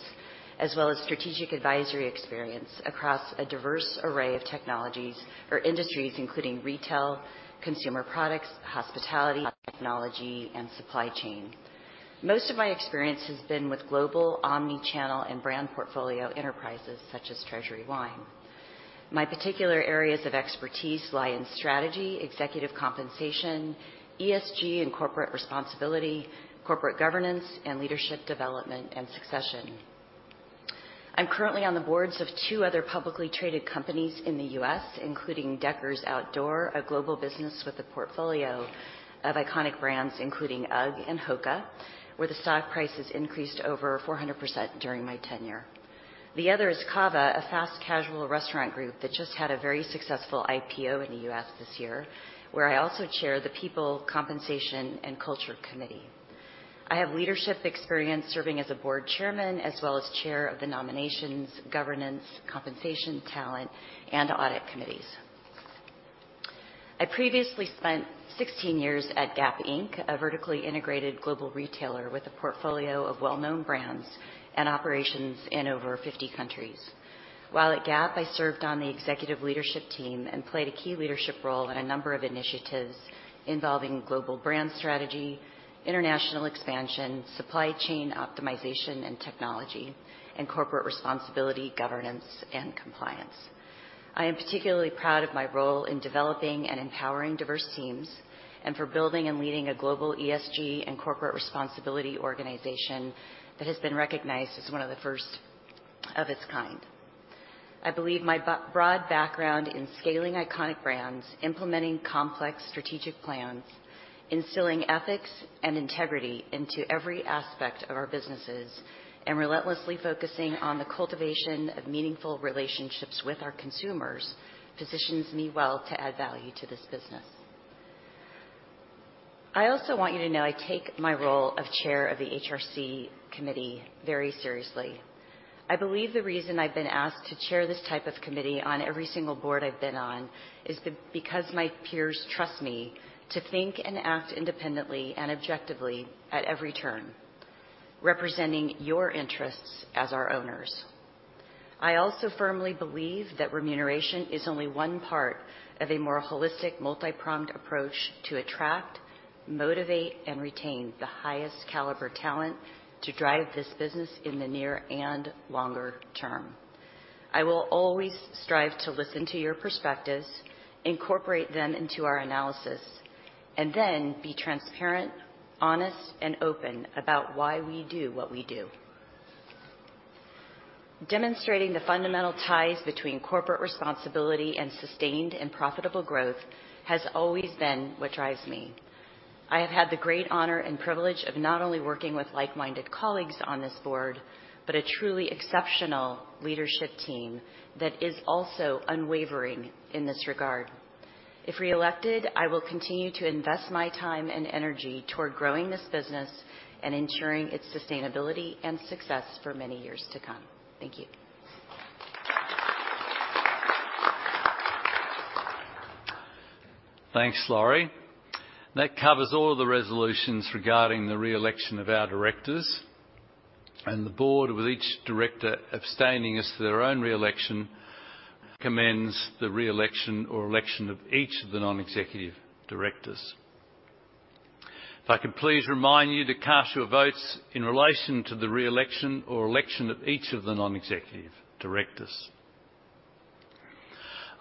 as well as strategic advisory experience across a diverse array of technologies or industries, including retail, consumer products, hospitality, technology, and supply chain. Most of my experience has been with global, omni-channel, and brand portfolio enterprises such as Treasury Wine. My particular areas of expertise lie in strategy, executive compensation, ESG and corporate responsibility, corporate governance, and leadership development and succession. I'm currently on the boards of two other publicly traded companies in the U.S., including Deckers Outdoor, a global business with a portfolio of iconic brands, including UGG and HOKA, where the stock price has increased over 400% during my tenure. The other is Cava, a fast-casual restaurant group that just had a very successful IPO in the U.S. this year, where I also chair the People, Compensation and Culture Committee. I have leadership experience serving as a board chairman, as well as chair of the Nominations, Governance, Compensation, Talent, and Audit committees. I previously spent 16 years at Gap Inc., a vertically integrated global retailer with a portfolio of well-known brands and operations in over 50 countries. While at Gap, I served on the executive leadership team and played a key leadership role in a number of initiatives involving global brand strategy, international expansion, supply chain optimization and technology, and corporate responsibility, governance and compliance. I am particularly proud of my role in developing and empowering diverse teams, and for building and leading a global ESG and corporate responsibility organization that has been recognized as one of the first of its kind. I believe my broad background in scaling iconic brands, implementing complex strategic plans, instilling ethics and integrity into every aspect of our businesses, and relentlessly focusing on the cultivation of meaningful relationships with our consumers, positions me well to add value to this business. I also want you to know I take my role of Chair of the HRC Committee very seriously. I believe the reason I've been asked to chair this type of committee on every single board I've been on is because my peers trust me to think and act independently and objectively at every turn, representing your interests as our owners. I also firmly believe that remuneration is only one part of a more holistic, multi-pronged approach to attract, motivate, and retain the highest caliber talent to drive this business in the near and longer term. I will always strive to listen to your perspectives, incorporate them into our analysis, and then be transparent, honest, and open about why we do what we do. Demonstrating the fundamental ties between corporate responsibility and sustained and profitable growth has always been what drives me. I have had the great honor and privilege of not only working with like-minded colleagues on this board, but a truly exceptional leadership team that is also unwavering in this regard. If reelected, I will continue to invest my time and energy toward growing this business and ensuring its sustainability and success for many years to come. Thank you. Thanks, Lauri. That covers all of the resolutions regarding the re-election of our directors. The Board, with each director abstaining as to their own re-election, commends the re-election or election of each of the non-executive directors. If I could please remind you to cast your votes in relation to the re-election or election of each of the non-executive directors.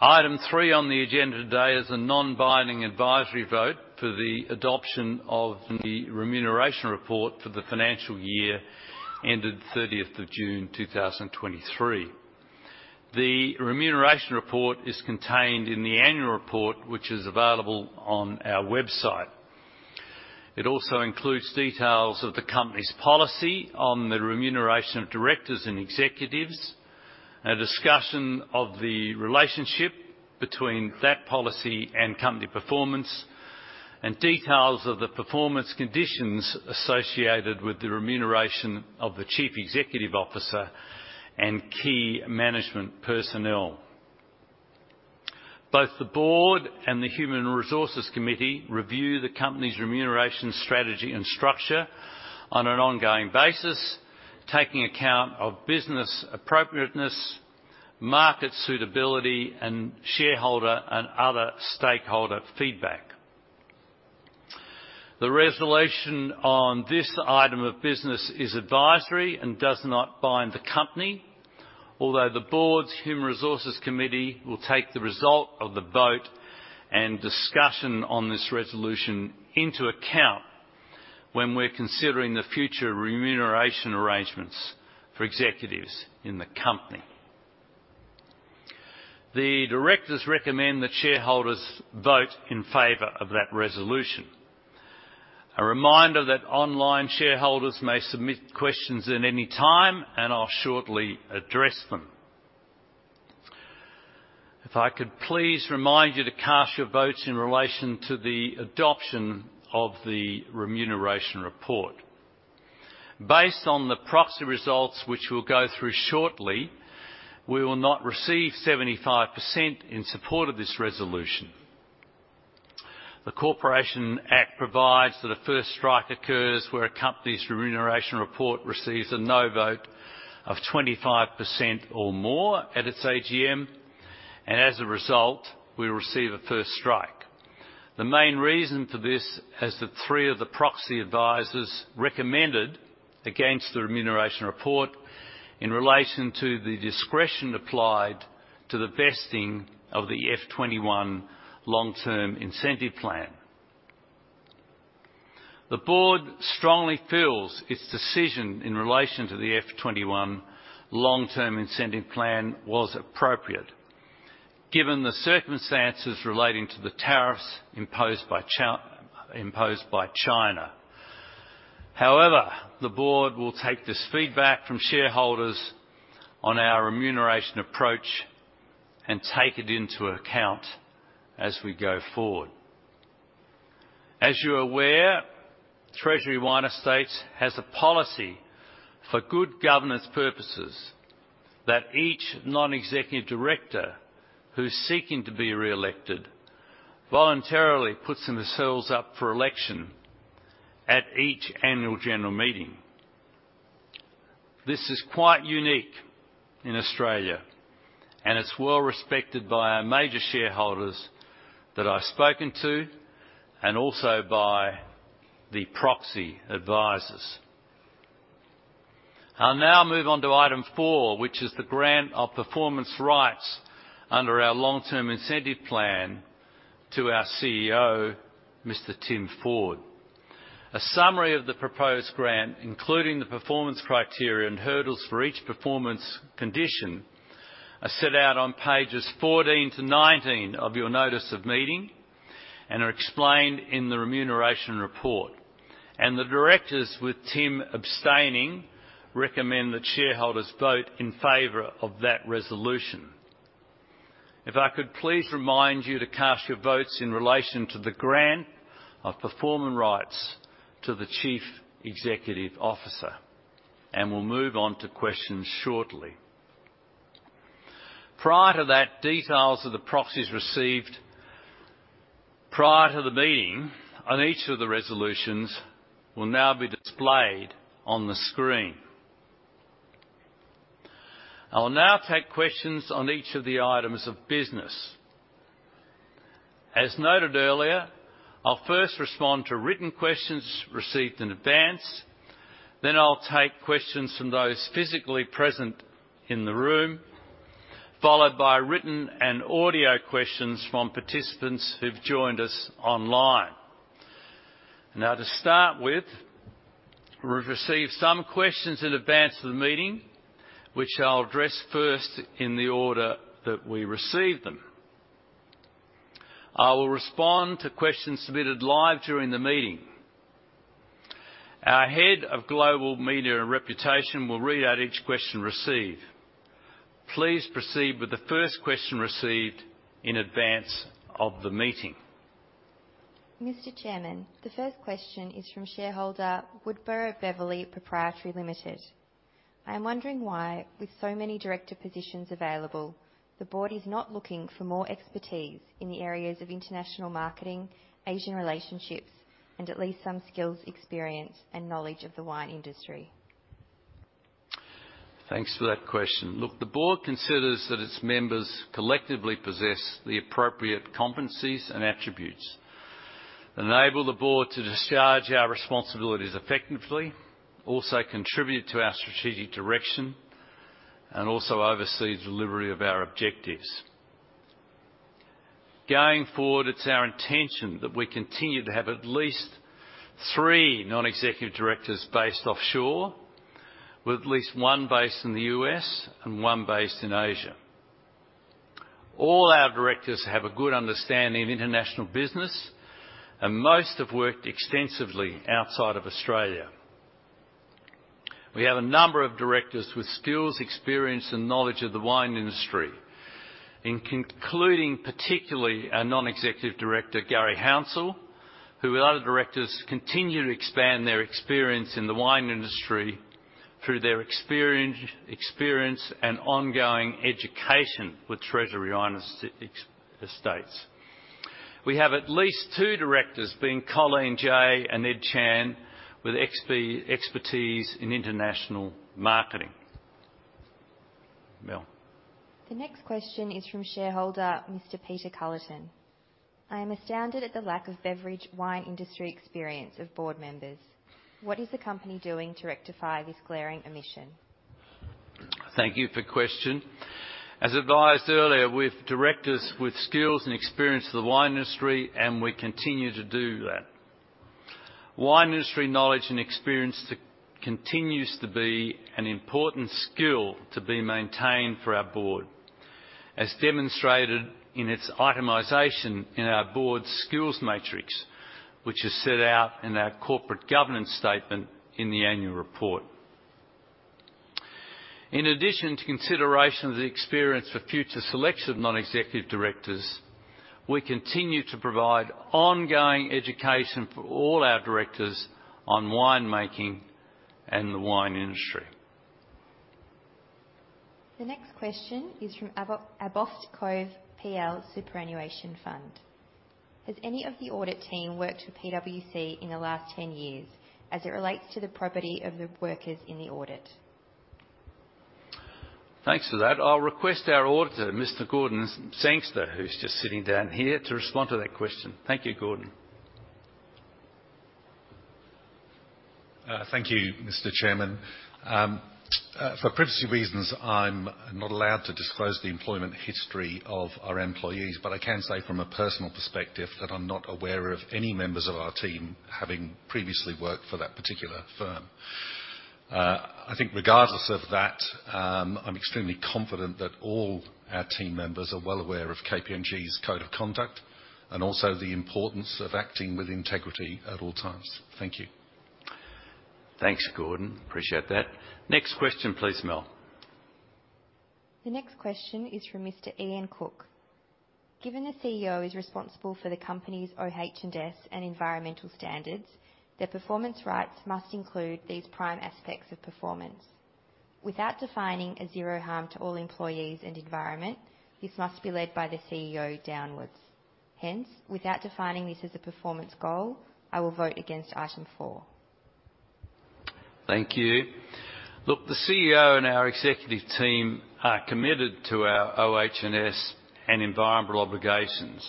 Item three on the agenda today is a non-binding advisory vote for the adoption of the remuneration report for the financial year ended of June 30th, 2023. The remuneration report is contained in the annual report, which is available on our website. It also includes details of the company's policy on the remuneration of directors and executives, a discussion of the relationship between that policy and company performance, and details of the performance conditions associated with the remuneration of the Chief Executive Officer and key management personnel. Both the Board and the Human Resources Committee review the company's remuneration, strategy, and structure on an ongoing basis, taking account of business appropriateness, market suitability, and shareholder and other stakeholder feedback. The resolution on this item of business is advisory and does not bind the company, although the Board's Human Resources Committee will take the result of the vote and discussion on this resolution into account when we're considering the future remuneration arrangements for executives in the company. The directors recommend that shareholders vote in favor of that resolution. A reminder that online shareholders may submit questions at any time, and I'll shortly address them. If I could please remind you to cast your votes in relation to the adoption of the remuneration report. Based on the proxy results, which we'll go through shortly, we will not receive 75% in support of this resolution. The Corporations Act provides that a first strike occurs where a company's remuneration report receives a no vote of 25% or more at its AGM, and as a result, we receive a first strike. The main reason for this is that three of the proxy advisors recommended against the remuneration report in relation to the discretion applied to the vesting of the FY 2021 long-term incentive plan. The board strongly feels its decision in relation to the FY 2021 long-term incentive plan was appropriate given the circumstances relating to the tariffs imposed by China. However, the board will take this feedback from shareholders on our remuneration approach and take it into account as we go forward. As you're aware, Treasury Wine Estates has a policy for good governance purposes that each non-executive director who's seeking to be re-elected voluntarily puts themselves up for election at each annual general meeting. This is quite unique in Australia, and it's well respected by our major shareholders that I've spoken to and also by the proxy advisors. I'll now move on to item four, which is the grant of performance rights under our long-term incentive plan to our CEO, Mr. Tim Ford. A summary of the proposed grant, including the performance criteria and hurdles for each performance condition, are set out on pages 14-19 of your notice of meeting and are explained in the remuneration report. The Directors, with Tim abstaining, recommend that shareholders vote in favor of that resolution. If I could please remind you to cast your votes in relation to the grant of performance rights to the Chief Executive Officer, and we'll move on to questions shortly. Prior to that, details of the proxies received prior to the meeting on each of the resolutions will now be displayed on the screen. I will now take questions on each of the items of business. As noted earlier, I'll first respond to written questions received in advance, then I'll take questions from those physically present in the room, followed by written and audio questions from participants who've joined us online. Now, to start with, we've received some questions in advance of the meeting, which I'll address first in the order that we received them. I will respond to questions submitted live during the meeting. Our head of Global Media and Reputation will read out each question received. Please proceed with the first question received in advance of the meeting. Mr. Chairman, the first question is from shareholder Woodborough Beverley Proprietary Limited. I'm wondering why, with so many director positions available, the Board is not looking for more expertise in the areas of international marketing, Asian relationships, and at least some skills, experience, and knowledge of the wine industry? Thanks for that question. Look, the Board considers that its members collectively possess the appropriate competencies and attributes that enable the Board to discharge our responsibilities effectively, also contribute to our strategic direction, and also oversee the delivery of our objectives. Going forward, it's our intention that we continue to have at least three non-executive directors based offshore, with at least one based in the U.S. and one based in Asia. All our directors have a good understanding of international business, and most have worked extensively outside of Australia. We have a number of directors with skills, experience, and knowledge of the wine industry, in concluding, particularly our non-executive director, Garry Hounsell, who, with other directors, continue to expand their experience in the wine industry through their experience, experience and ongoing education with Treasury Wine Estates. We have at least two directors, being Colleen Jay and Ed Chan, with expertise in international marketing. Mel. The next question is from shareholder Mr. Peter Cullerton. "I am astounded at the lack of beverage wine industry experience of board members. What is the company doing to rectify this glaring omission? Thank you for your question. As advised earlier, we have directors with skills and experience in the wine industry, and we continue to do that. Wine industry knowledge and experience continues to be an important skill to be maintained for our board, as demonstrated in its itemization in our board's skills matrix, which is set out in our corporate governance statement in the annual report. In addition to consideration of the experience for future selection of non-executive directors, we continue to provide ongoing education for all our directors on wine-making and the wine industry. The next question is from Abbots Cove Pty Ltd Superannuation Fund: "Has any of the audit team worked with PwC in the last 10 years, as it relates to the property of the workers in the audit? Thanks for that. I'll request our auditor, Mr. Gordon Sangster, who's just sitting down here, to respond to that question. Thank you, Gordon. Thank you, Mr. Chairman. For privacy reasons, I'm not allowed to disclose the employment history of our employees, but I can say from a personal perspective that I'm not aware of any members of our team having previously worked for that particular firm. I think regardless of that, I'm extremely confident that all our team members are well aware of KPMG's code of conduct and also the importance of acting with integrity at all times. Thank you. Thanks, Gordon. Appreciate that. Next question, please, Mel. The next question is from Mr. Ian Cook: "Given the CEO is responsible for the company's OH&S and environmental standards, their performance rights must include these prime aspects of performance. Without defining a zero harm to all employees and environment, this must be led by the CEO downwards. Hence, without defining this as a performance goal, I will vote against item four. Thank you. Look, the CEO and our executive team are committed to our OH&S and environmental obligations.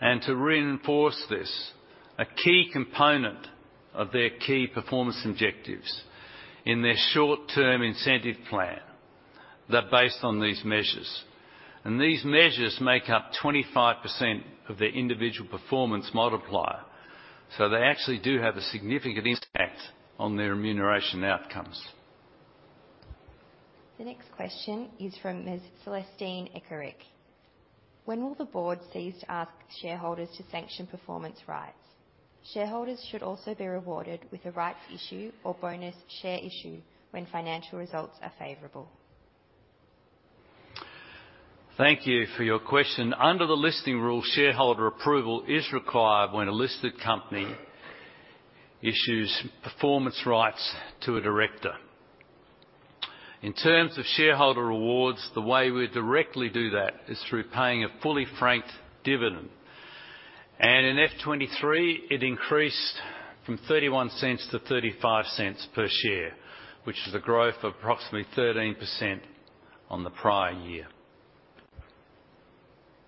To reinforce this, a key component of their key performance objectives in their short-term incentive plan are based on these measures, and these measures make up 25% of their individual performance multiplier. They actually do have a significant impact on their remuneration outcomes. The next question is from Ms. Celestine Echerique: "When will the Board cease to ask shareholders to sanction performance rights? Shareholders should also be rewarded with a rights issue or bonus share issue when financial results are favorable. Thank you for your question. Under the listing rules, shareholder approval is required when a listed company issues performance rights to a director. In terms of shareholder rewards, the way we directly do that is through paying a fully franked dividend, and in FY 2023, it increased from 0.31 to 0.35 per share, which is a growth of approximately 13% on the prior year.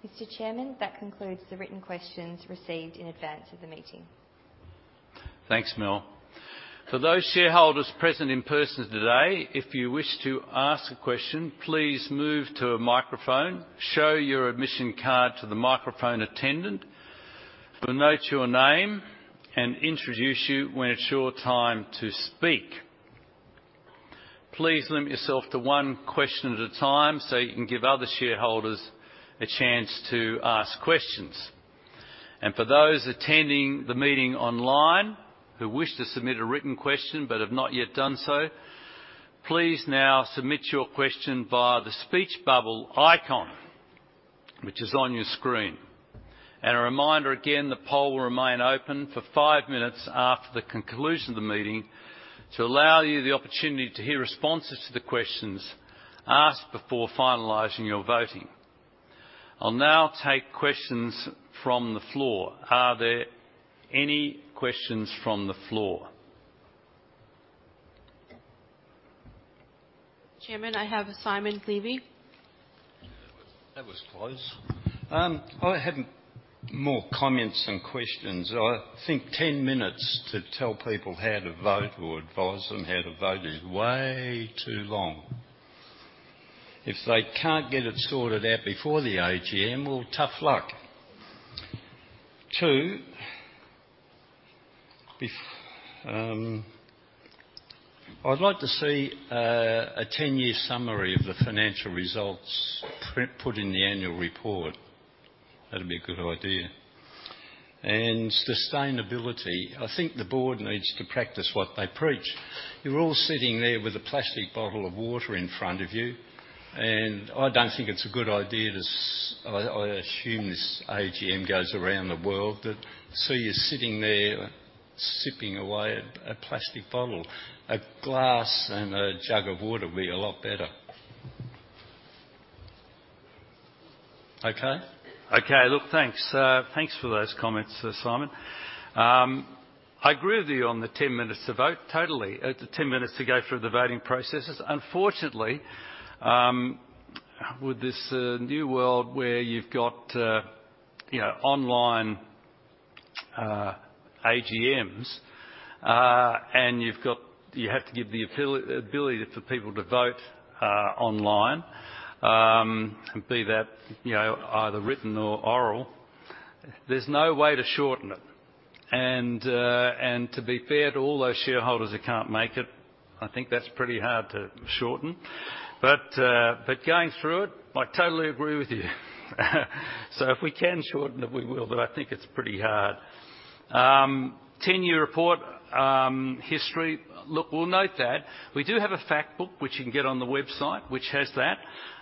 Mr. Chairman, that concludes the written questions received in advance of the meeting. Thanks, Mel. For those shareholders present in person today, if you wish to ask a question, please move to a microphone, show your admission card to the microphone attendant, who'll note your name and introduce you when it's your time to speak. Please limit yourself to one question at a time so you can give other shareholders a chance to ask questions. For those attending the meeting online who wish to submit a written question but have not yet done so, please now submit your question via the speech bubble icon... which is on your screen. A reminder again, the poll will remain open for five minutes after the conclusion of the meeting to allow you the opportunity to hear responses to the questions asked before finalizing your voting. I'll now take questions from the floor. Are there any questions from the floor? Chairman, I have Simon Levy. That was close. I have more comments than questions. I think 10 minutes to tell people how to vote or advise them how to vote is way too long. If they can't get it sorted out before the AGM, well, tough luck. Two, I'd like to see a 10-year summary of the financial results print, put in the annual report. That'd be a good idea. And sustainability, I think the board needs to practice what they preach. You're all sitting there with a plastic bottle of water in front of you, and I don't think it's a good idea to see—I assume this AGM goes around the world, to see you sitting there, sipping away at a plastic bottle. A glass and a jug of water would be a lot better. Okay? Okay. Look, thanks. Thanks for those comments, Simon. I agree with you on the 10 minutes to vote, totally. The 10 minutes to go through the voting processes. Unfortunately, with this new world where you've got, you know, online AGMs, and you have to give the ability for people to vote online, be that, you know, either written or oral, there's no way to shorten it. And to be fair to all those shareholders who can't make it, I think that's pretty hard to shorten. But going through it, I totally agree with you. So if we can shorten it, we will, but I think it's pretty hard. Ten-year report history. Look, we'll note that. We do have a fact book, which you can get on the website, which has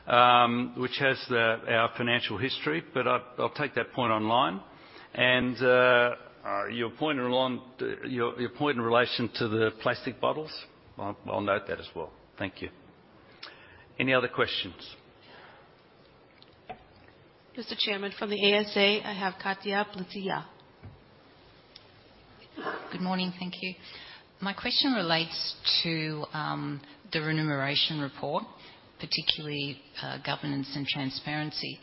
our financial history, but I'll take that point online. And your point on the plastic bottles, I'll note that as well. Thank you. Any other questions? Mr. Chairman, from the ASA, I have Katia Bilitsas. Good morning. Thank you. My question relates to the remuneration report, particularly governance and transparency.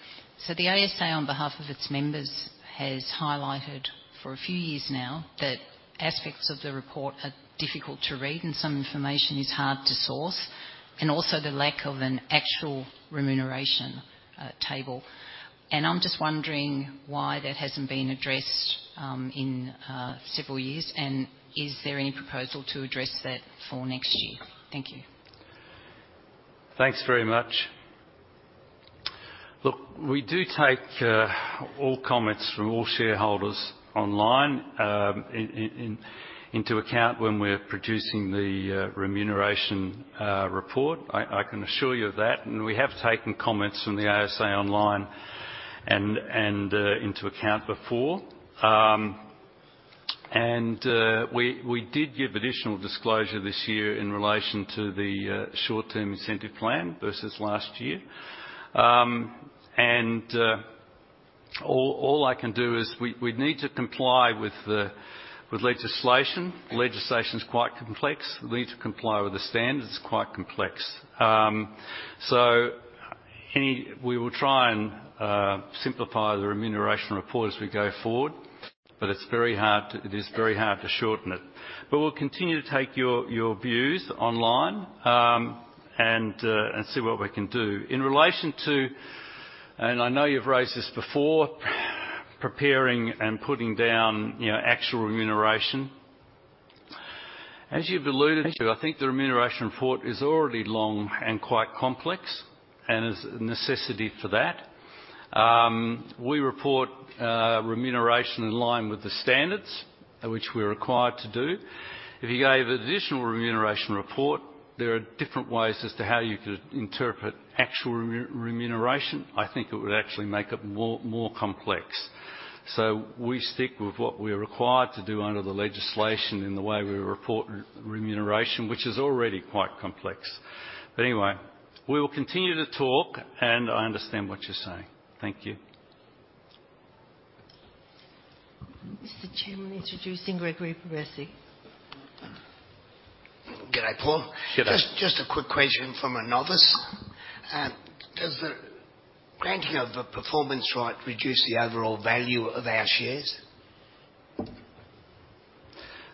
So the ASA, on behalf of its members, has highlighted for a few years now that aspects of the report are difficult to read, and some information is hard to source, and also the lack of an actual remuneration table. And I'm just wondering, why that hasn't been addressed in several years, and is there any proposal to address that for next year? Thank you. Thanks very much. Look, we do take all comments from all shareholders online into account when we're producing the remuneration report. I can assure you of that, and we have taken comments from the ASA online and into account before. And we did give additional disclosure this year in relation to the short-term incentive plan versus last year. And all I can do is we need to comply with the legislation. Legislation is quite complex. We need to comply with the standards; it's quite complex. So we will try and simplify the remuneration report as we go forward, but it's very hard to; it is very hard to shorten it. But we'll continue to take your views online and see what we can do. In relation to, and I know you've raised this before, preparing and putting down, you know, actual remuneration. As you've alluded to, I think the remuneration report is already long and quite complex and is a necessity for that. We report remuneration in line with the standards which we're required to do. If you gave additional remuneration report, there are different ways as to how you could interpret actual remuneration. I think it would actually make it more complex. So we stick with what we're required to do under the legislation in the way we report remuneration, which is already quite complex. But anyway, we will continue to talk, and I understand what you're saying. Thank you. Mr. Chairman, introducing Gregory Proversi. G'day, Paul. G'day. Just, just a quick question from a novice. Does the granting of the performance right reduce the overall value of our shares?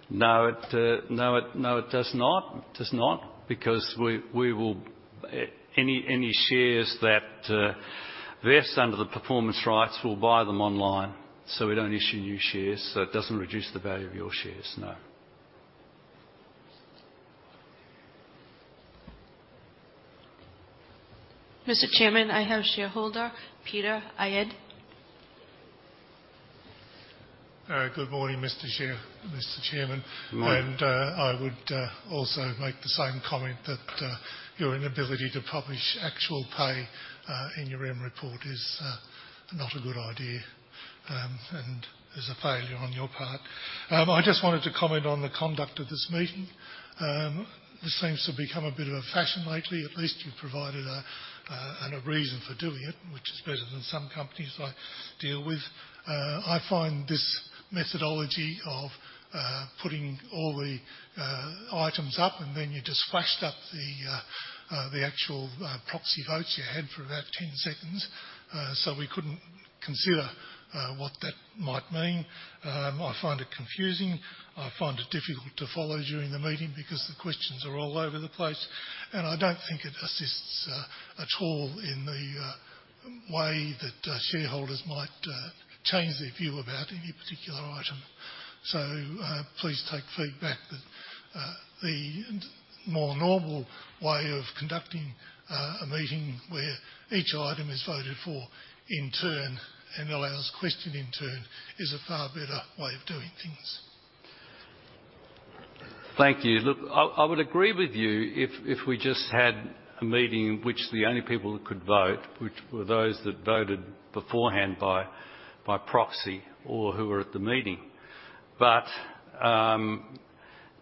No, it does not. It does not, because we will. Any shares that vest under the performance rights, we'll buy them online. So we don't issue new shares, so it doesn't reduce the value of your shares, no. Mr. Chairman, I have shareholder Peter Aird. Good morning, Mr. Chair, Mr. Chairman. Good morning. I would also make the same comment that your inability to publish actual pay in your Rem report is not a good idea, and is a failure on your part. I just wanted to comment on the conduct of this meeting. This seems to become a bit of a fashion lately. At least you've provided a and a reason for doing it, which is better than some companies I deal with. I find this methodology of putting all the items up, and then you just flashed up the the actual proxy votes you had for about 10 seconds. We couldn't consider what that might mean. I find it confusing. I find it difficult to follow during the meeting because the questions are all over the place, and I don't think it assists at all in the way that shareholders might change their view about any particular item. So, please take feedback that the more normal way of conducting a meeting where each item is voted for in turn and allows questioning in turn, is a far better way of doing things. Thank you. Look, I would agree with you if we just had a meeting in which the only people who could vote, which were those that voted beforehand by proxy or who were at the meeting. But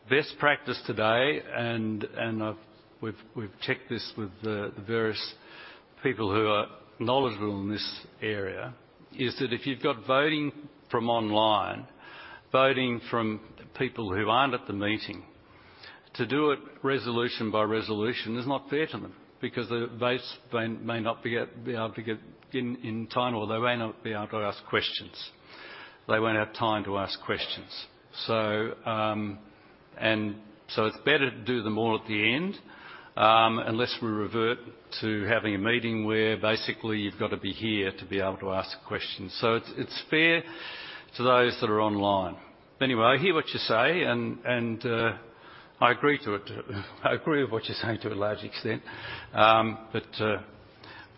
best practice today, and we've checked this with the various people who are knowledgeable in this area, is that if you've got voting from online, voting from people who aren't at the meeting, to do it resolution by resolution is not fair to them because their votes may not be able to get in time, or they may not be able to ask questions. They won't have time to ask questions. So, and so it's better to do them all at the end, unless we revert to having a meeting where basically you've got to be here to be able to ask questions. So it's, it's fair to those that are online. Anyway, I hear what you say and, and, I agree to it. I agree with what you're saying to a large extent. But,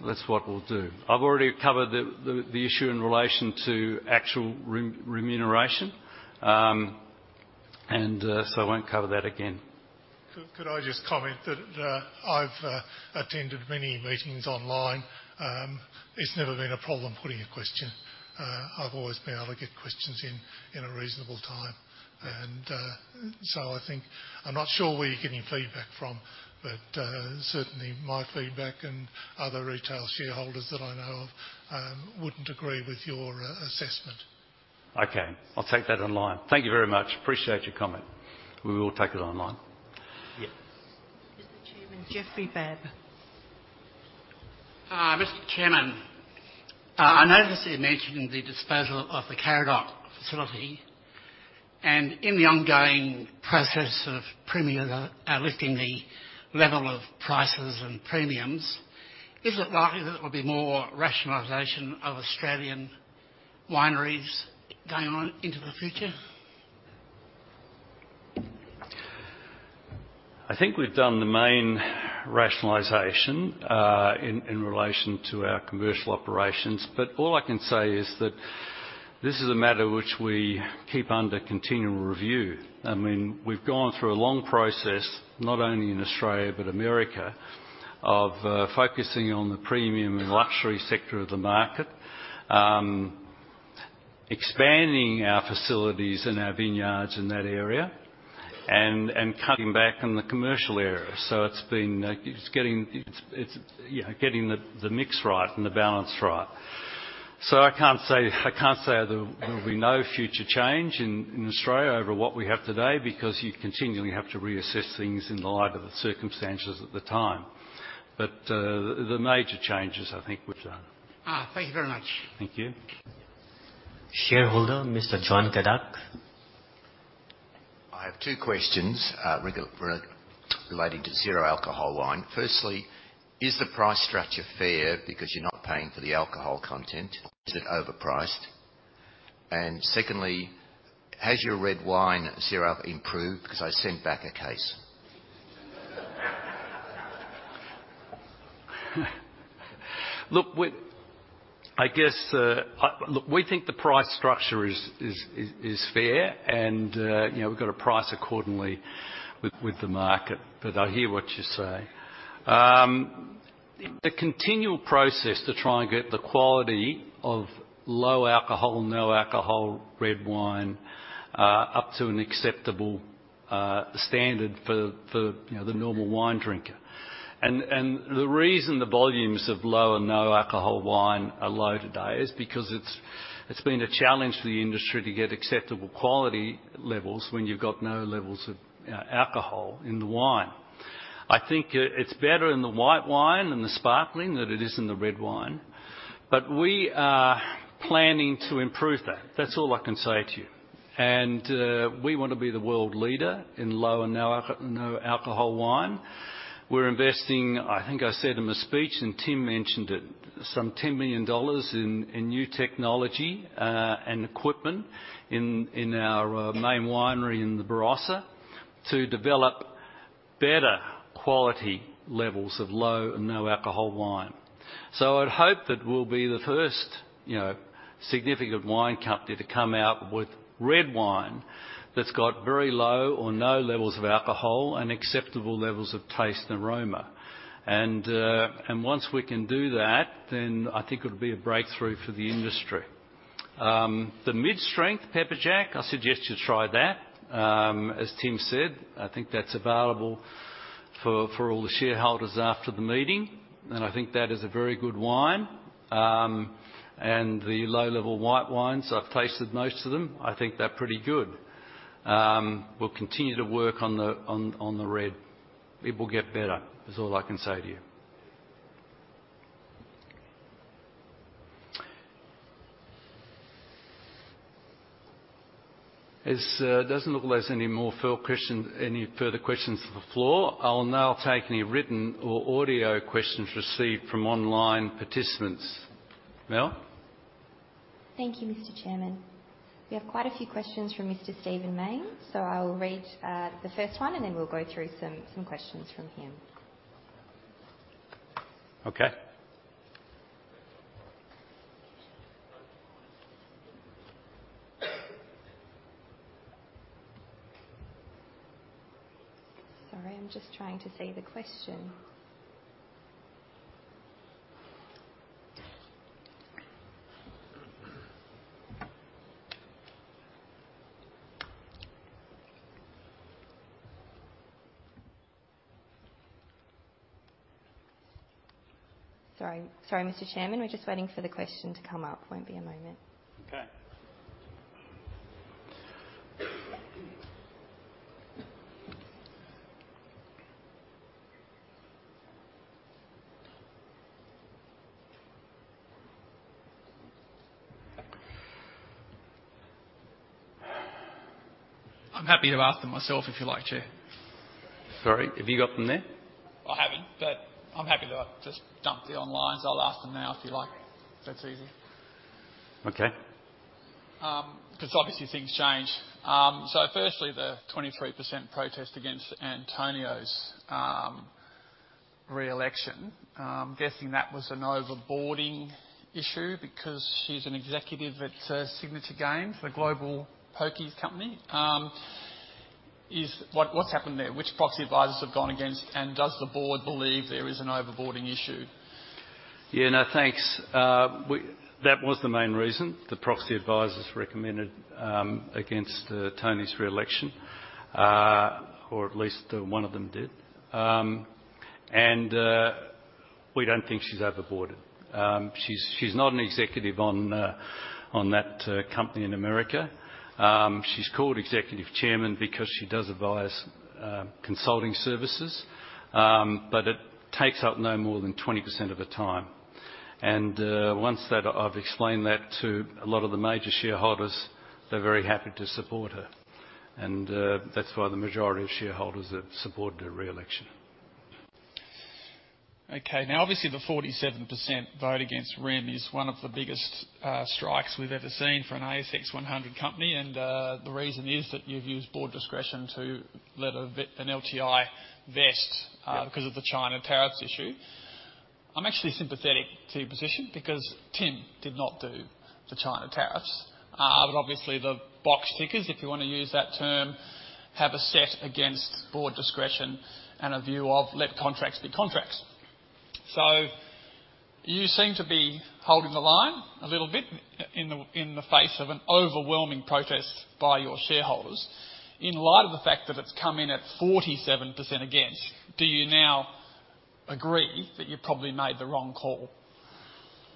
that's what we'll do. I've already covered the issue in relation to actual remuneration. And, so I won't cover that again. Could I just comment that I've attended many meetings online. It's never been a problem putting a question. I've always been able to get questions in a reasonable time. And so I think, I'm not sure where you're getting feedback from, but certainly my feedback and other retail shareholders that I know of wouldn't agree with your assessment. Okay, I'll take that online. Thank you very much. Appreciate your comment. We will take it online. Yes. Mr. Chairman, Jeffrey Babb. Mr. Chairman, I noticed you mentioning the disposal of the Karadoc facility, and in the ongoing process of premiumization, lifting the level of prices and premiums, is it likely that there will be more rationalization of Australian wineries going on into the future? I think we've done the main rationalization in relation to our commercial operations, but all I can say is that this is a matter which we keep under continual review. I mean, we've gone through a long process, not only in Australia, but America, of focusing on the premium and luxury sector of the market, expanding our facilities and our vineyards in that area and cutting back on the commercial area. So it's been getting the mix right and the balance right. You know, so I can't say there will be no future change in Australia over what we have today, because you continually have to reassess things in the light of the circumstances at the time. But the major changes, I think, we've done. Ah, thank you very much. Thank you. Shareholder, Mr. John Caddick. I have two questions, relating to zero alcohol wine. Firstly, is the price structure fair because you're not paying for the alcohol content, or is it overpriced? And secondly, has your red wine syrup improved? Because I sent back a case. Look, we—I guess, I, look, we think the price structure is fair, and, you know, we've got to price accordingly with the market, but I hear what you say. A continual process to try and get the quality of low alcohol, no alcohol red wine up to an acceptable standard for, you know, the normal wine drinker. And the reason the volumes of low and no alcohol wine are low today is because it's been a challenge for the industry to get acceptable quality levels when you've got no levels of alcohol in the wine. I think it's better in the white wine and the sparkling than it is in the red wine, but we are planning to improve that. That's all I can say to you. We want to be the world leader in low and no alcohol, no alcohol wine. We're investing, I think I said in my speech, and Tim mentioned it, some 10 million dollars in new technology and equipment in our main winery in the Barossa to develop better quality levels of low and no alcohol wine. So I'd hope that we'll be the first, you know, significant wine company to come out with red wine that's got very low or no levels of alcohol and acceptable levels of taste and aroma. And once we can do that, then I think it'll be a breakthrough for the industry. The mid-strength Pepperjack, I suggest you try that. As Tim said, I think that's available for all the shareholders after the meeting, and I think that is a very good wine. And the low-level white wines, I've tasted most of them. I think they're pretty good. We'll continue to work on the red. It will get better, is all I can say to you. Doesn't look there's any more further questions, any further questions from the floor. I'll now take any written or audio questions received from online participants. Mel? Thank you, Mr. Chairman. We have quite a few questions from Mr. Stephen Mayne, so I will read the first one, and then we'll go through some questions from him. Okay. Sorry, I'm just trying to see the question. Sorry, sorry, Mr. Chairman, we're just waiting for the question to come up. Won't be a moment. Okay. I'm happy to ask them myself, if you like, Chair. Sorry, have you got them there? I haven't, but I'm happy to just dump the onlines. I'll ask them now, if you like. That's easier. Okay. 'Cause obviously things change. So firstly, the 23% protest against Antonia's re-election. I'm guessing that was an over-boarding issue because she's an executive at Scientific Games, the global pokies company. What, what's happened there? Which proxy advisors have gone against, and does the board believe there is an over-boarding issue? Yeah, no, thanks. We, that was the main reason the proxy advisors recommended against Toni's re-election, or at least one of them did. And, we don't think she's over-boarded. She's, she's not an executive on that company in America. She's called Executive Chairman because she does advise consulting services, but it takes up no more than 20% of her time. And, once that, I've explained that to a lot of the major shareholders, they're very happy to support her. And, that's why the majority of shareholders have supported her re-election. Okay, now, obviously, the 47% vote against Rem is one of the biggest strikes we've ever seen for an ASX 100 company, and the reason is that you've used board discretion to let an LTI vest- Yeah because of the China tariffs issue. I'm actually sympathetic to your position because Tim did not do the China tariffs. Mm-hmm. But obviously the box tickers, if you want to use that term, have a set against board discretion and a view of let contracts be contracts. So you seem to be holding the line a little bit in the face of an overwhelming protest by your shareholders. In light of the fact that it's come in at 47% against, do you now agree that you probably made the wrong call?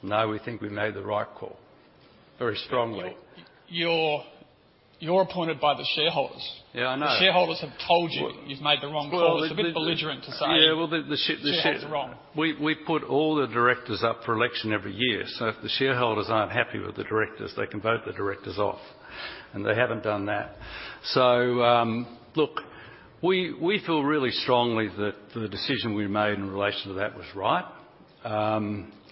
No, we think we made the right call, very strongly. You're appointed by the shareholders. Yeah, I know. The shareholders have told you- Well- You've made the wrong call. Well, It's a bit belligerent to say- Yeah, well, -Shareholders are wrong. We put all the directors up for election every year, so if the shareholders aren't happy with the directors, they can vote the directors off, and they haven't done that. So, look, we feel really strongly that the decision we made in relation to that was right.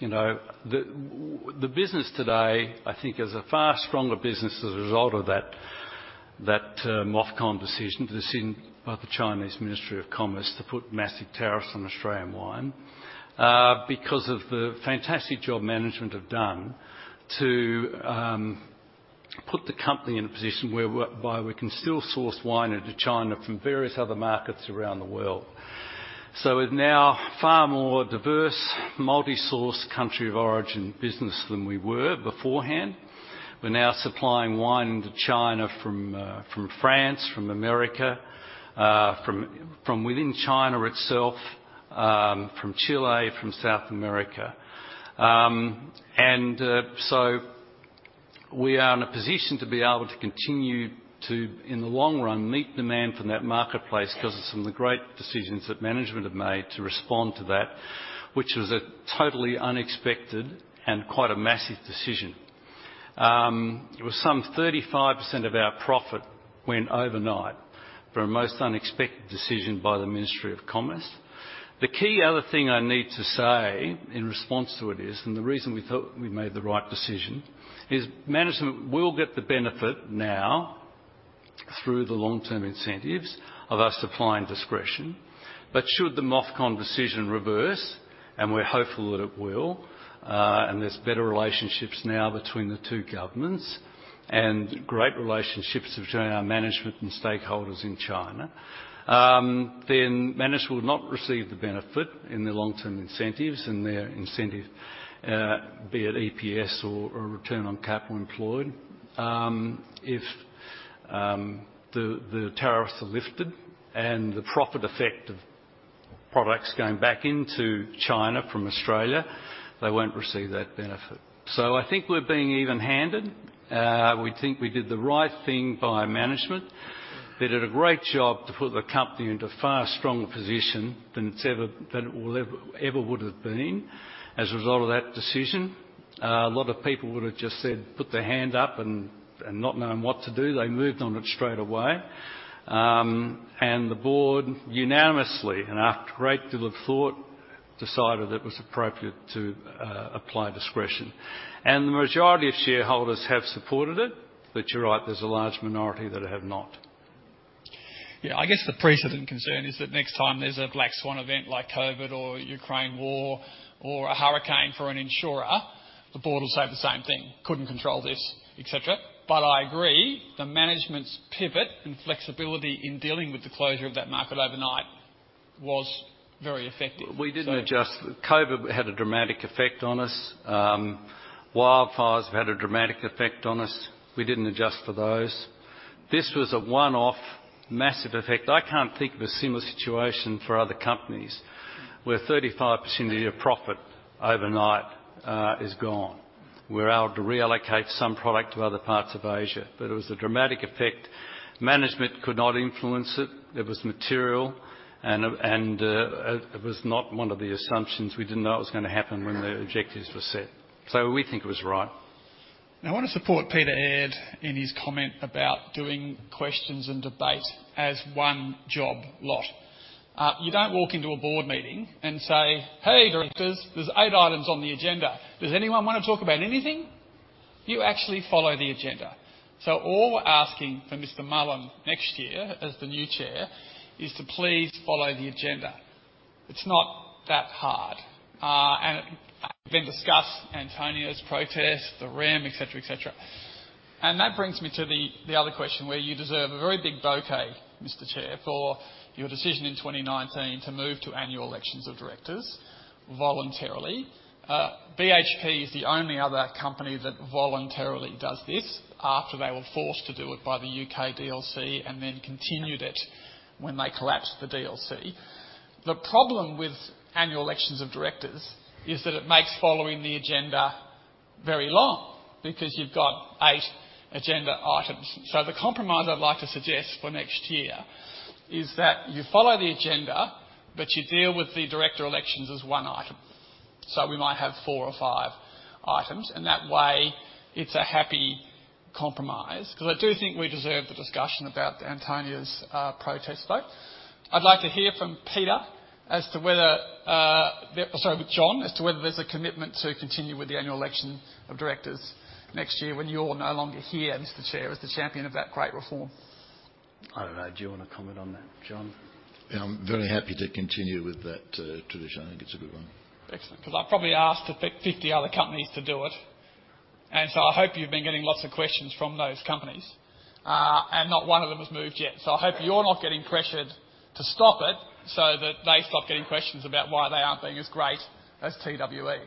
You know, the business today, I think, is a far stronger business as a result of that MOFCOM decision, the decision by the Chinese Ministry of Commerce, to put massive tariffs on Australian wine. Because of the fantastic job management have done to put the company in a position where we can still source wine into China from various other markets around the world. So we're now far more diverse, multi-source, country of origin business than we were beforehand. We're now supplying wine to China from France, from America, from within China itself, from Chile, from South America. And so we are in a position to be able to continue to, in the long run, meet demand from that marketplace because of some of the great decisions that management have made to respond to that, which was a totally unexpected and quite a massive decision. It was some 35% of our profit went overnight for a most unexpected decision by the Ministry of Commerce.... The key other thing I need to say in response to it is, and the reason we thought we made the right decision, is management will get the benefit now through the long-term incentives of us applying discretion. But should the MOFCOM decision reverse, and we're hopeful that it will, and there's better relationships now between the two governments, and great relationships between our management and stakeholders in China, then management will not receive the benefit in their long-term incentives and their incentive, be it EPS or return on capital employed. If the tariffs are lifted and the profit effect of products going back into China from Australia, they won't receive that benefit. So I think we're being even-handed. We think we did the right thing by management. They did a great job to put the company into a far stronger position than it's ever, than it will ever, ever would have been as a result of that decision. A lot of people would have just said, put their hand up and not known what to do. They moved on it straight away. And the board unanimously, and after a great deal of thought, decided it was appropriate to apply discretion. And the majority of shareholders have supported it. But you're right, there's a large minority that have not. Yeah, I guess the precedent concern is that next time there's a black swan event like COVID, or Ukraine war, or a hurricane for an insurer, the board will say the same thing, "Couldn't control this," et cetera. But I agree, the management's pivot and flexibility in dealing with the closure of that market overnight was very effective. So- We didn't adjust. COVID had a dramatic effect on us. Wildfires have had a dramatic effect on us. We didn't adjust for those. This was a one-off, massive effect. I can't think of a similar situation for other companies where 35% of your profit overnight is gone. We're able to reallocate some product to other parts of Asia, but it was a dramatic effect. Management could not influence it. It was material, and it was not one of the assumptions. We didn't know it was gonna happen when the objectives were set. So we think it was right. Now, I want to support Peter Aird in his comment about doing questions and debate as one job lot. You don't walk into a board meeting and say, "Hey, directors, there's eight items on the agenda. Does anyone want to talk about anything?" You actually follow the agenda. So all we're asking for Mr. Mullen next year, as the new chair, is to please follow the agenda. It's not that hard. And then discuss Antonia's protest, the REM, et cetera, et cetera. And that brings me to the other question, where you deserve a very big bouquet, Mr. Chair, for your decision in 2019 to move to annual elections of directors voluntarily. BHP is the only other company that voluntarily does this after they were forced to do it by the U.K. DLC, and then continued it when they collapsed the DLC. The problem with annual elections of directors is that it makes following the agenda very long, because you've got eight agenda items. So the compromise I'd like to suggest for next year is that you follow the agenda, but you deal with the director elections as one item. So we might have four or five items, and that way, it's a happy compromise, because I do think we deserve the discussion about Antonia's protest vote. I'd like to hear from Peter as to whether there's a commitment to continue with the annual election of directors next year when you're no longer here, Mr. Chair, as the champion of that great reform. I don't know. Do you want to comment on that, John? Yeah, I'm very happy to continue with that, tradition. I think it's a good one. Excellent, because I've probably asked 50 other companies to do it, and so I hope you've been getting lots of questions from those companies. And not one of them has moved yet, so I hope you're not getting pressured to stop it so that they stop getting questions about why they aren't being as great as TWE.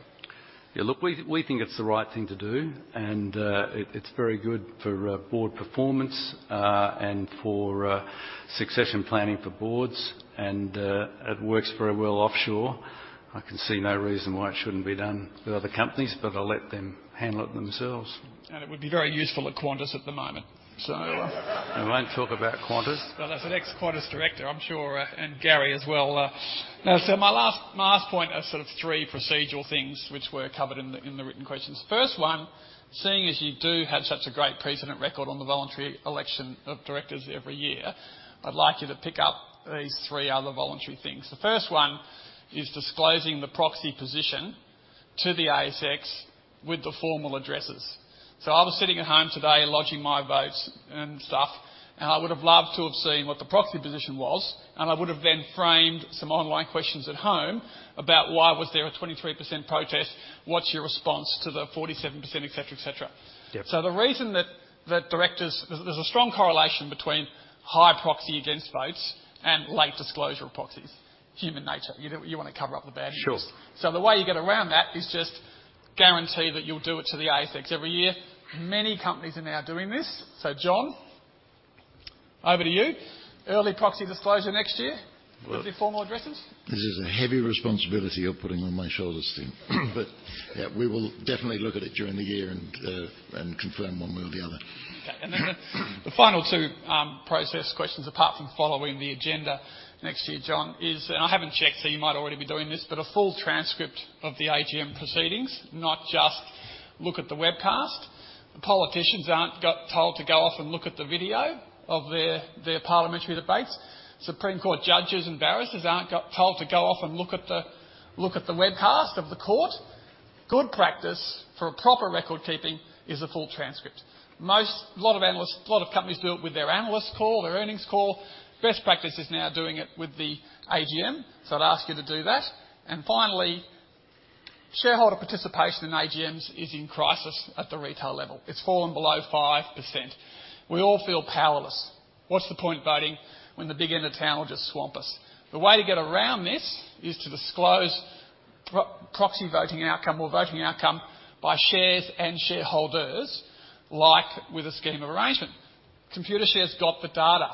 Yeah, look, we think it's the right thing to do, and it's very good for board performance and for succession planning for boards, and it works very well offshore. I can see no reason why it shouldn't be done with other companies, but I'll let them handle it themselves. It would be very useful at Qantas at the moment. So, We won't talk about Qantas. Well, as an ex-Qantas director, I'm sure, and Garry as well... Now, so my last, my last point are sort of three procedural things which were covered in the, in the written questions. First one, seeing as you do have such a great precedent record on the voluntary election of directors every year, I'd like you to pick up these three other voluntary things. The first one is disclosing the proxy position to the ASX with the formal addresses. So I was sitting at home today lodging my votes and stuff, and I would have loved to have seen what the proxy position was, and I would have then framed some online questions at home about why was there a 23% protest? What's your response to the 47%? Et cetera, et cetera. Yep. So the reason that directors. There's a strong correlation between high proxy against votes and late disclosure of proxies. Human nature, you wanna cover up the bad news. Sure. So the way you get around that is just guarantee that you'll do it to the ASX every year. Many companies are now doing this. So John, over to you. Early proxy disclosure next year- Well- With your formal addresses? This is a heavy responsibility you're putting on my shoulders, Tim. But, yeah, we will definitely look at it during the year and, and confirm one way or the other. Okay. And then the final two process questions, apart from following the agenda next year, John, is, and I haven't checked, so you might already be doing this, but a full transcript of the AGM proceedings, not just look at the webcast. Politicians aren't got told to go off and look at the video of their parliamentary debates. Supreme Court judges and barristers aren't got told to go off and look at the webcast of the court. Good practice for a proper record keeping is a full transcript. Most, a lot of analysts, a lot of companies do it with their analyst call, their earnings call. Best practice is now doing it with the AGM, so I'd ask you to do that. And finally, shareholder participation in AGMs is in crisis at the retail level. It's fallen below 5%. We all feel powerless. What's the point voting when the big end of town will just swamp us? The way to get around this is to disclose pro-proxy voting outcome or voting outcome by shares and shareholders, like with a scheme arrangement. Computershare's got the data.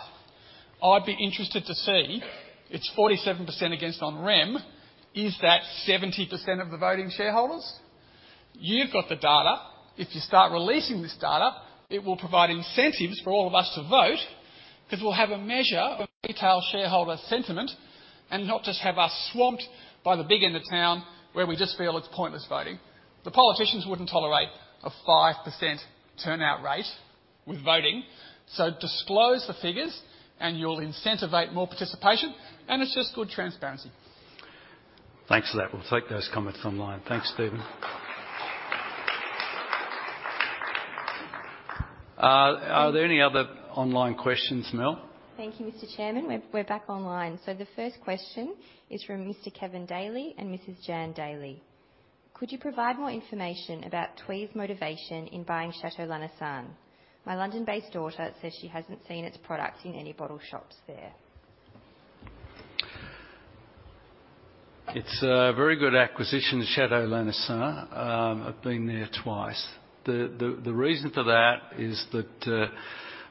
I'd be interested to see, it's 47% against on REM, is that 70% of the voting shareholders? You've got the data. If you start releasing this data, it will provide incentives for all of us to vote, because we'll have a measure of retail shareholder sentiment, and not just have us swamped by the big end of town, where we just feel it's pointless voting. The politicians wouldn't tolerate a 5% turnout rate with voting, so disclose the figures, and you'll incentivate more participation, and it's just good transparency. Thanks for that. We'll take those comments online. Thanks, Stephen. Are there any other online questions, Mel? Thank you, Mr. Chairman. We're back online. So the first question is from Mr. Kevin Daly and Mrs. Jan Daly. Could you provide more information about TWE's motivation in buying Château Lanessan? My London-based daughter says she hasn't seen its products in any bottle shops there. It's a very good acquisition, Château Lanessan. I've been there twice. The reason for that is that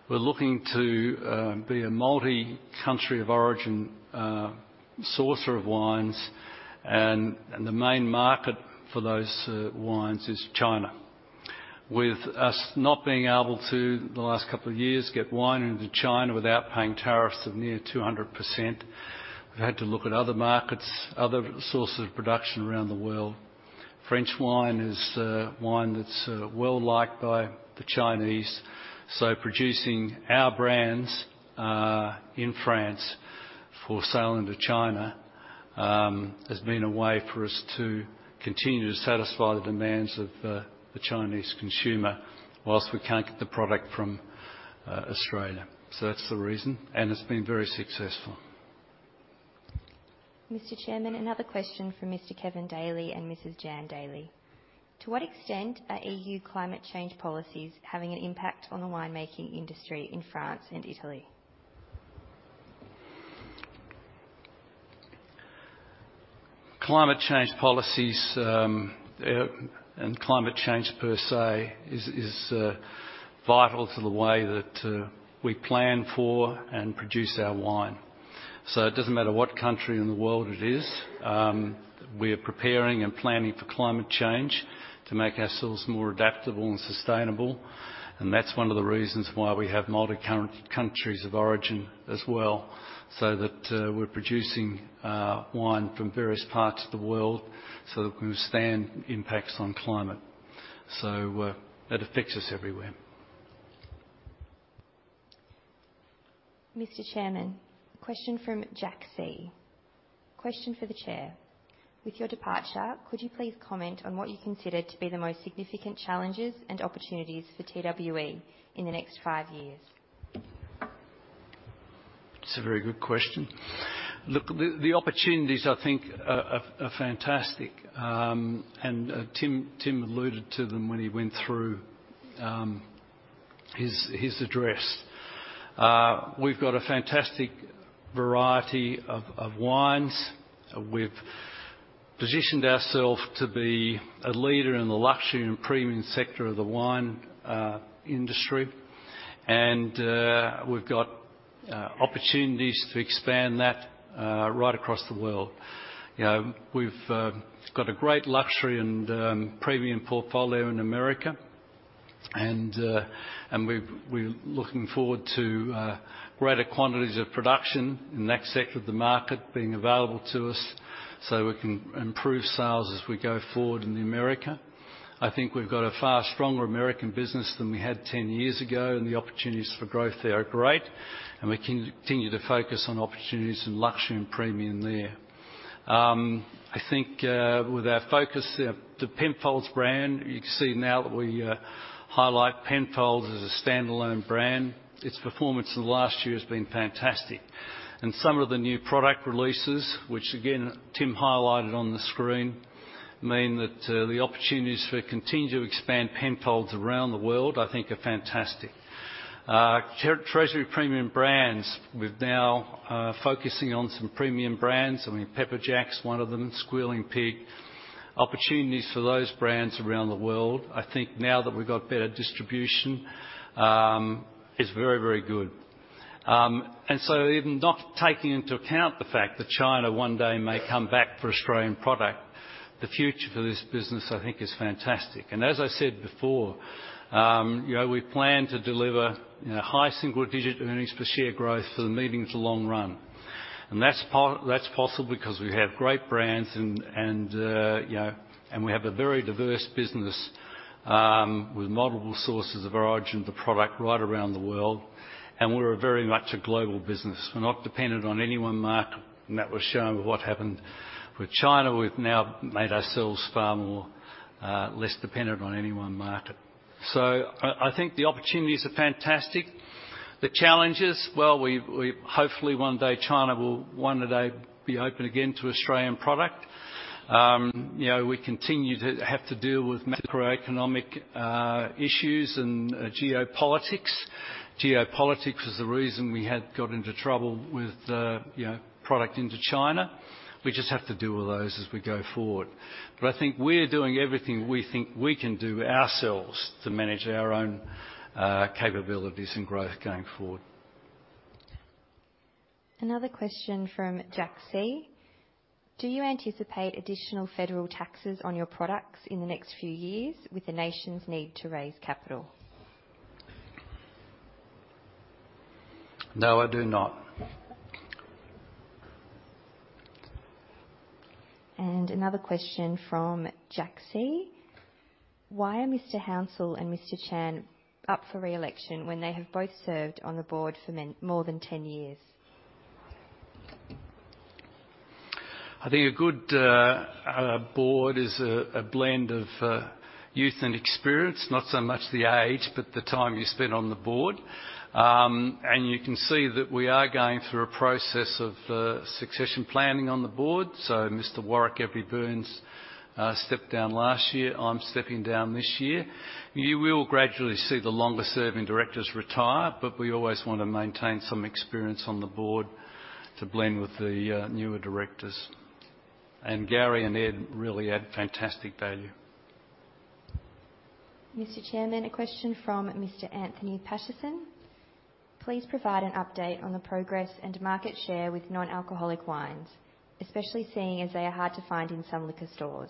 we're looking to be a multi-country of origin sourcer of wines, and the main market for those wines is China. With us not being able to, the last couple of years, get wine into China without paying tariffs of near 200%, we've had to look at other markets, other sources of production around the world. French wine is wine that's well-liked by the Chinese, so producing our brands in France for sale into China has been a way for us to continue to satisfy the demands of the Chinese consumer whilst we can't get the product from Australia. So that's the reason, and it's been very successful. Mr. Chairman, another question from Mr. Kevin Daly and Mrs. Jan Daly. To what extent are EU climate change policies having an impact on the winemaking industry in France and Italy? Climate change policies, and climate change per se, is vital to the way that we plan for and produce our wine. So it doesn't matter what country in the world it is, we are preparing and planning for climate change to make ourselves more adaptable and sustainable. And that's one of the reasons why we have multi-countries of origin as well, so that we're producing wine from various parts of the world, so that we can withstand impacts on climate. So it affects us everywhere. Mr. Chairman, a question from Jack C. Question for the Chair: With your departure, could you please comment on what you consider to be the most significant challenges and opportunities for TWE in the next five years? That's a very good question. Look, the opportunities, I think, are fantastic, and Tim alluded to them when he went through his address. We've got a fantastic variety of wines. We've positioned ourself to be a leader in the luxury and premium sector of the wine industry. And we've got opportunities to expand that right across the world. You know, we've got a great luxury and premium portfolio in America, and we've, we're looking forward to greater quantities of production in that sector of the market being available to us, so we can improve sales as we go forward in America. I think we've got a far stronger American business than we had 10 years ago, and the opportunities for growth there are great, and we continue to focus on opportunities in luxury and premium there. I think, with our focus there, the Penfolds brand, you can see now that we highlight Penfolds as a standalone brand. Its performance in the last year has been fantastic. Some of the new product releases, which again, Tim highlighted on the screen, mean that the opportunities for continue to expand Penfolds around the world, I think are fantastic. Treasury Premium Brands, we're now focusing on some premium brands. I mean, Pepperjack's one of them, Squealing Pig. Opportunities for those brands around the world, I think now that we've got better distribution, is very, very good. And so even not taking into account the fact that China one day may come back for Australian product, the future for this business, I think, is fantastic. And as I said before, you know, we plan to deliver, you know, high single-digit earnings per share growth for the medium to long run. And that's that's possible because we have great brands and, and, you know, and we have a very diverse business, with multiple sources of origin of the product right around the world, and we're very much a global business. We're not dependent on any one market, and that was shown with what happened with China. We've now made ourselves far more, less dependent on any one market. So I, I think the opportunities are fantastic. The challenges, well, we've hopefully one day China will one day be open again to Australian product. You know, we continue to have to deal with macroeconomic issues and geopolitics. Geopolitics is the reason we had got into trouble with, you know, product into China. We just have to deal with those as we go forward. But I think we're doing everything we think we can do ourselves to manage our own capabilities and growth going forward. Another question from Jack C: Do you anticipate additional federal taxes on your products in the next few years with the nation's need to raise capital? No, I do not. Another question from Jack C: Why are Mr. Hounsell and Mr. Chan up for re-election when they have both served on the board for more than 10 years? I think a good board is a blend of youth and experience. Not so much the age, but the time you spent on the board. And you can see that we are going through a process of succession planning on the board. So Mr. Warwick Every-Burns stepped down last year. I'm stepping down this year. You will gradually see the longer-serving directors retire, but we always want to maintain some experience on the board to blend with the newer directors. And Garry and Ed really add fantastic value. Mr. Chairman, a question from Mr. Anthony Patterson: Please provide an update on the progress and market share with non-alcoholic wines, especially seeing as they are hard to find in some liquor stores.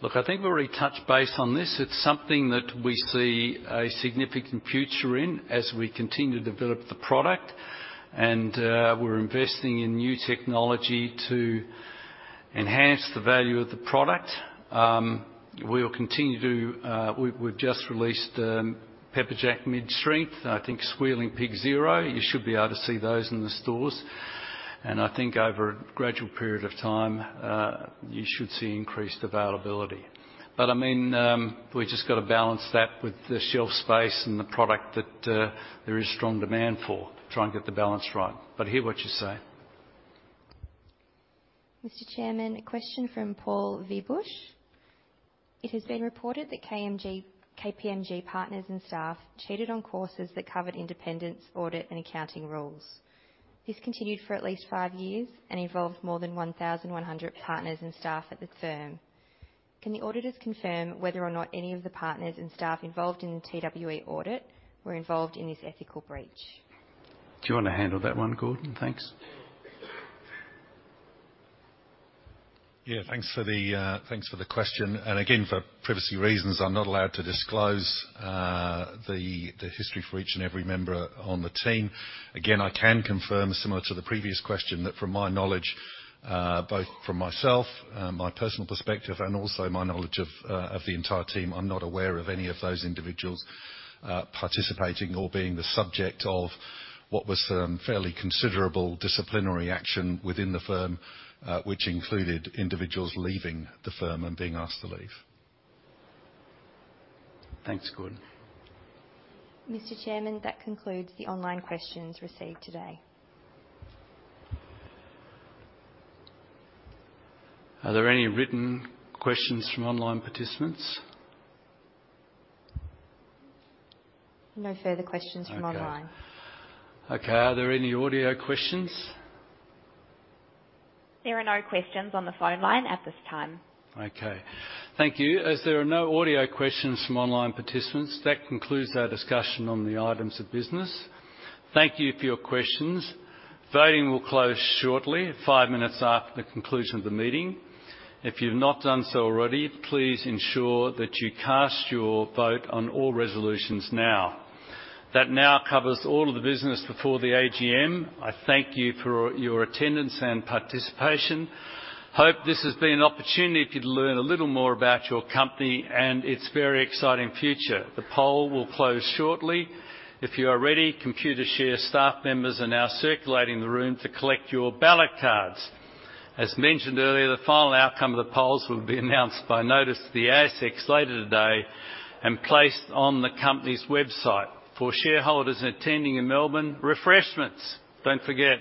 Look, I think we already touched base on this. It's something that we see a significant future in as we continue to develop the product, and, we're investing in new technology to enhance the value of the product. We will continue to. We've just released Pepperjack Mid-Strength, I think Squealing Pig Zero. You should be able to see those in the stores, and I think over a gradual period of time, you should see increased availability. But, I mean, we've just got to balance that with the shelf space and the product that, there is strong demand for, to try and get the balance right. But I hear what you say. Mr. Chairman, a question from Paul Vibe: It has been reported that KPMG partners and staff cheated on courses that covered independence, audit, and accounting rules. This continued for at least five years and involved more than 1,100 partners and staff at the firm. Can the auditors confirm whether or not any of the partners and staff involved in the TWE audit were involved in this ethical breach? Do you want to handle that one, Gordon? Thanks. Yeah, thanks for the, thanks for the question. Again, for privacy reasons, I'm not allowed to disclose, the history for each and every member on the team. Again, I can confirm, similar to the previous question, that from my knowledge, both from myself, my personal perspective, and also my knowledge of, of the entire team, I'm not aware of any of those individuals, participating or being the subject of what was, fairly considerable disciplinary action within the firm, which included individuals leaving the firm and being asked to leave. Thanks, Gordon. Mr. Chairman, that concludes the online questions received today. Are there any written questions from online participants? No further questions from online. Okay. Okay, are there any audio questions? There are no questions on the phone line at this time. Okay. Thank you. As there are no audio questions from online participants, that concludes our discussion on the items of business. Thank you for your questions. Voting will close shortly, five minutes after the conclusion of the meeting. If you've not done so already, please ensure that you cast your vote on all resolutions now. That now covers all of the business before the AGM. I thank you for your attendance and participation. Hope this has been an opportunity for you to learn a little more about your company and its very exciting future. The poll will close shortly. If you are ready, Computershare staff members are now circulating the room to collect your ballot cards. As mentioned earlier, the final outcome of the polls will be announced by notice to the ASX later today and placed on the company's website. For shareholders attending in Melbourne, refreshments, don't forget,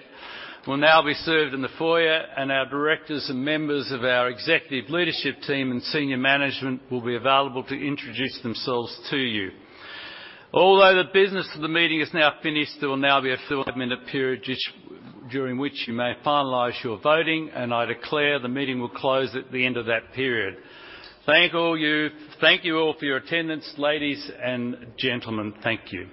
will now be served in the foyer, and our directors and members of our executive leadership team and senior management will be available to introduce themselves to you. Although the business of the meeting is now finished, there will now be a 5-minute period during which you may finalize your voting, and I declare the meeting will close at the end of that period. Thank you all. Thank you all for your attendance. Ladies and gentlemen, thank you.